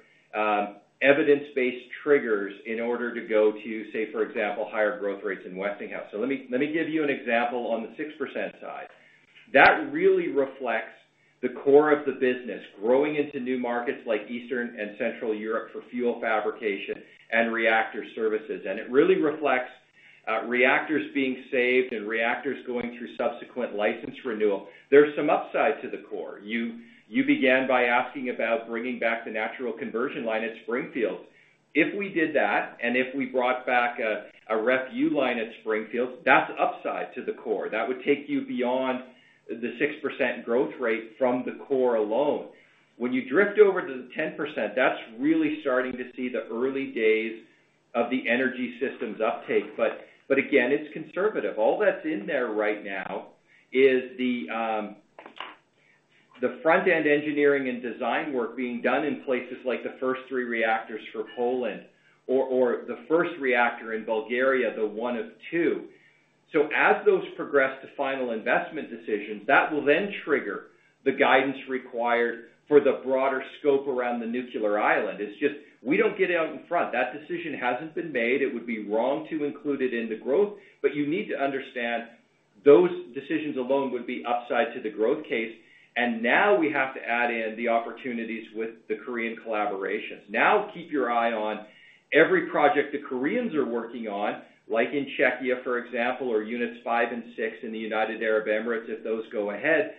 evidence-based triggers in order to go to, say, for example, higher growth rates in Westinghouse. So let me give you an example on the 6% side. That really reflects the core of the business, growing into new markets like Eastern and Central Europe for fuel fabrication and reactor services. And it really reflects reactors being saved and reactors going through subsequent license renewal. There's some upside to the core. You began by asking about bringing back the natural conversion line at Springfields. If we did that and if we brought back a RepU line at Springfields, that's upside to the core. That would take you beyond the 6% growth rate from the core alone. When you drift over to the 10%, that's really starting to see the early days of the energy system's uptake. But again, it's conservative. All that's in there right now is the front-end engineering and design work being done in places like the first three reactors for Poland or the first reactor in Bulgaria, the one of two, so as those progress to final investment decisions, that will then trigger the guidance required for the broader scope around the nuclear island. It's just, we don't get out in front. That decision hasn't been made. It would be wrong to include it in the growth, but you need to understand those decisions alone would be upside to the growth case, and now we have to add in the opportunities with the Korean collaborations. Now, keep your eye on every project the Koreans are working on, like in Czechia, for example, or units five and six in the United Arab Emirates if those go ahead.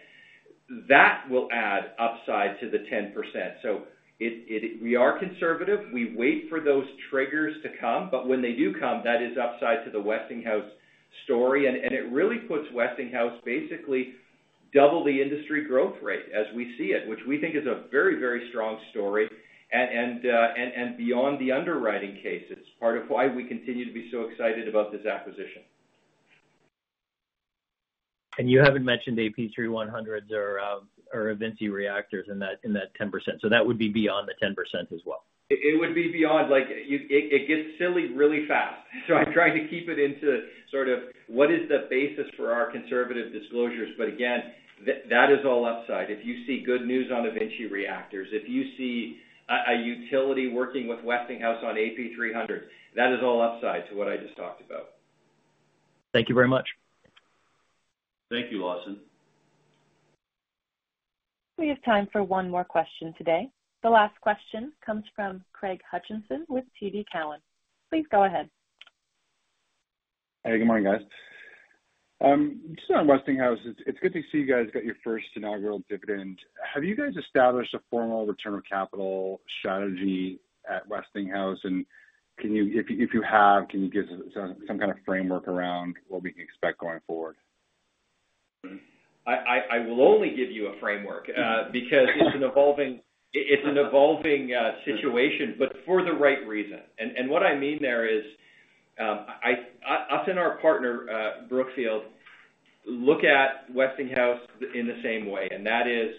That will add upside to the 10%, so we are conservative. We wait for those triggers to come. But when they do come, that is upside to the Westinghouse story. And it really puts Westinghouse basically double the industry growth rate as we see it, which we think is a very, very strong story and beyond the underwriting cases. It's part of why we continue to be so excited about this acquisition. And you haven't mentioned AP1000s or eVinci reactors in that 10%. So that would be beyond the 10% as well. It would be beyond. It gets silly really fast. So I'm trying to keep it into sort of what is the basis for our conservative disclosures. But again, that is all upside. If you see good news on eVinci reactors, if you see a utility working with Westinghouse on AP300s, that is all upside to what I just talked about. Thank you very much. Thank you, Lawson. We have time for one more question today. The last question comes from Craig Hutchison with TD Cowen. Please go ahead. Hey, good morning, guys. Just on Westinghouse, it's good to see you guys got your first inaugural dividend. Have you guys established a formal return of capital strategy at Westinghouse? And if you have, can you give some kind of framework around what we can expect going forward? I will only give you a framework because it's an evolving situation, but for the right reason. And what I mean there is us and our partner, Brookfield, look at Westinghouse in the same way. And that is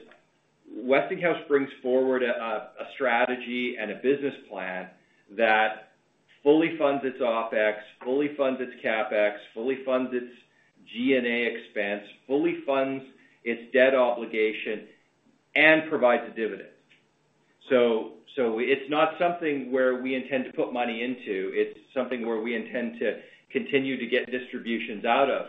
Westinghouse brings forward a strategy and a business plan that fully funds its OpEx, fully funds its CapEx, fully funds its G&A expense, fully funds its debt obligation, and provides a dividend. So it's not something where we intend to put money into. It's something where we intend to continue to get distributions out of.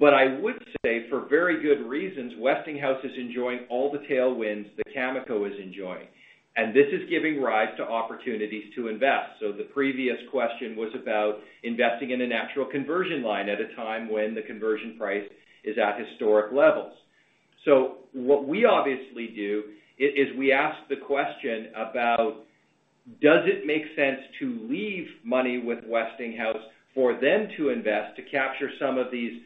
But I would say for very good reasons, Westinghouse is enjoying all the tailwinds that Cameco is enjoying. And this is giving rise to opportunities to invest. So the previous question was about investing in a natural conversion line at a time when the conversion price is at historic levels. So what we obviously do is we ask the question about, does it make sense to leave money with Westinghouse for them to invest to capture some of these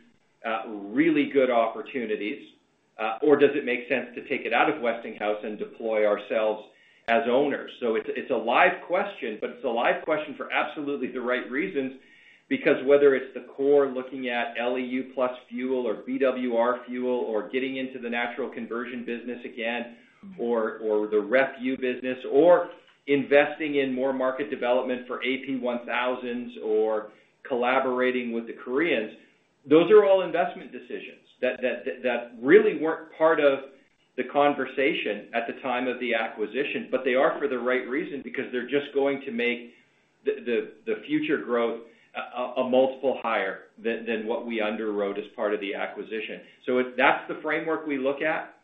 really good opportunities, or does it make sense to take it out of Westinghouse and deploy ourselves as owners? So it's a live question, but it's a live question for absolutely the right reasons because whether it's the core looking at LEU plus fuel or BWR fuel or getting into the natural conversion business again or the refuel business or investing in more market development for AP1000s or collaborating with the Koreans, those are all investment decisions that really weren't part of the conversation at the time of the acquisition, but they are for the right reason because they're just going to make the future growth a multiple higher than what we underwrote as part of the acquisition. So that's the framework we look at.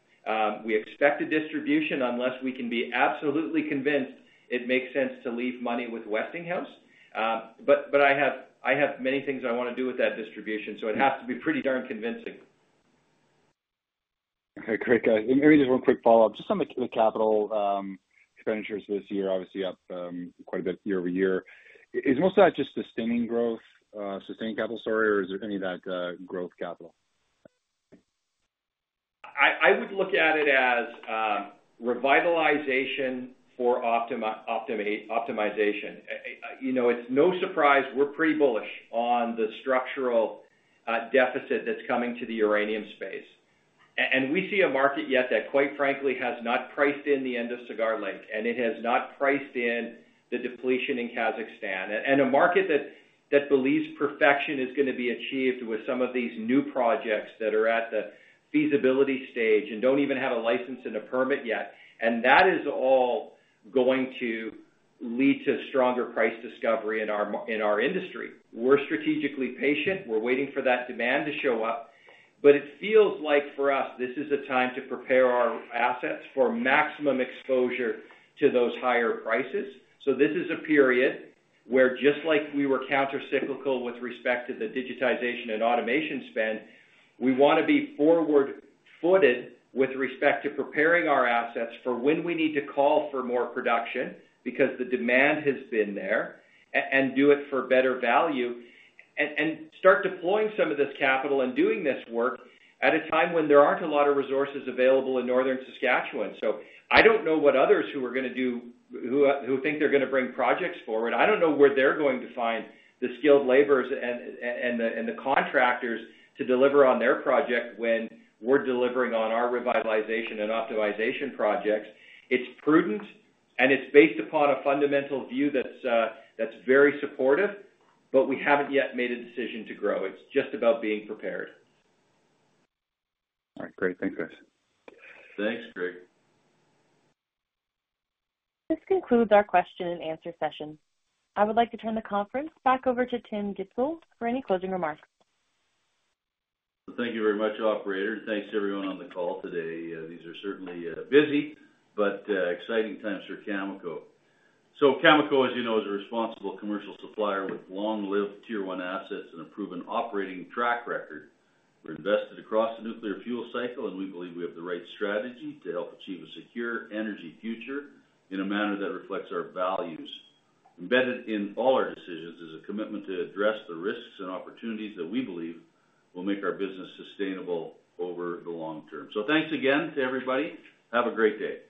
We expect a distribution unless we can be absolutely convinced it makes sense to leave money with Westinghouse. But I have many things I want to do with that distribution. So it has to be pretty darn convincing. Okay, great. Maybe just one quick follow-up. Just on the capital expenditures this year, obviously up quite a bit year over year. Is most of that just sustaining growth, sustaining capital story, or is there any of that growth capital? I would look at it as revitalization for optimization. It's no surprise we're pretty bullish on the structural deficit that's coming to the uranium space, and we see a market yet that, quite frankly, has not priced in the end of Cigar Lake, and it has not priced in the depletion in Kazakhstan, and a market that believes perfection is going to be achieved with some of these new projects that are at the feasibility stage and don't even have a license and a permit yet, and that is all going to lead to stronger price discovery in our industry. We're strategically patient. We're waiting for that demand to show up. But it feels like for us, this is a time to prepare our assets for maximum exposure to those higher prices. So this is a period where, just like we were countercyclical with respect to the digitization and automation spend, we want to be forward-footed with respect to preparing our assets for when we need to call for more production because the demand has been there and do it for better value and start deploying some of this capital and doing this work at a time when there aren't a lot of resources available in Northern Saskatchewan. So I don't know what others who are going to do who think they're going to bring projects forward. I don't know where they're going to find the skilled laborers and the contractors to deliver on their project when we're delivering on our revitalization and optimization projects. It's prudent, and it's based upon a fundamental view that's very supportive, but we haven't yet made a decision to grow. It's just about being prepared. All right. Great. Thanks, guys. Thanks, Craig. This concludes our question-and-answer session. I would like to turn the conference back over to Tim Gitzel for any closing remarks. Thank you very much, Operator. And thanks to everyone on the call today. These are certainly busy but exciting times for Cameco. So Cameco, as you know, is a responsible commercial supplier with long-lived Tier One assets and a proven operating track record. We're invested across the nuclear fuel cycle, and we believe we have the right strategy to help achieve a secure energy future in a manner that reflects our values. Embedded in all our decisions is a commitment to address the risks and opportunities that we believe will make our business sustainable over the long term. So thanks again to everybody. Have a great day.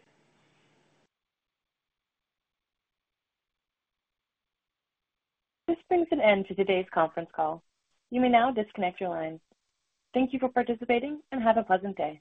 This brings an end to today's conference call. You may now disconnect your line. Thank you for participating and have a pleasant day.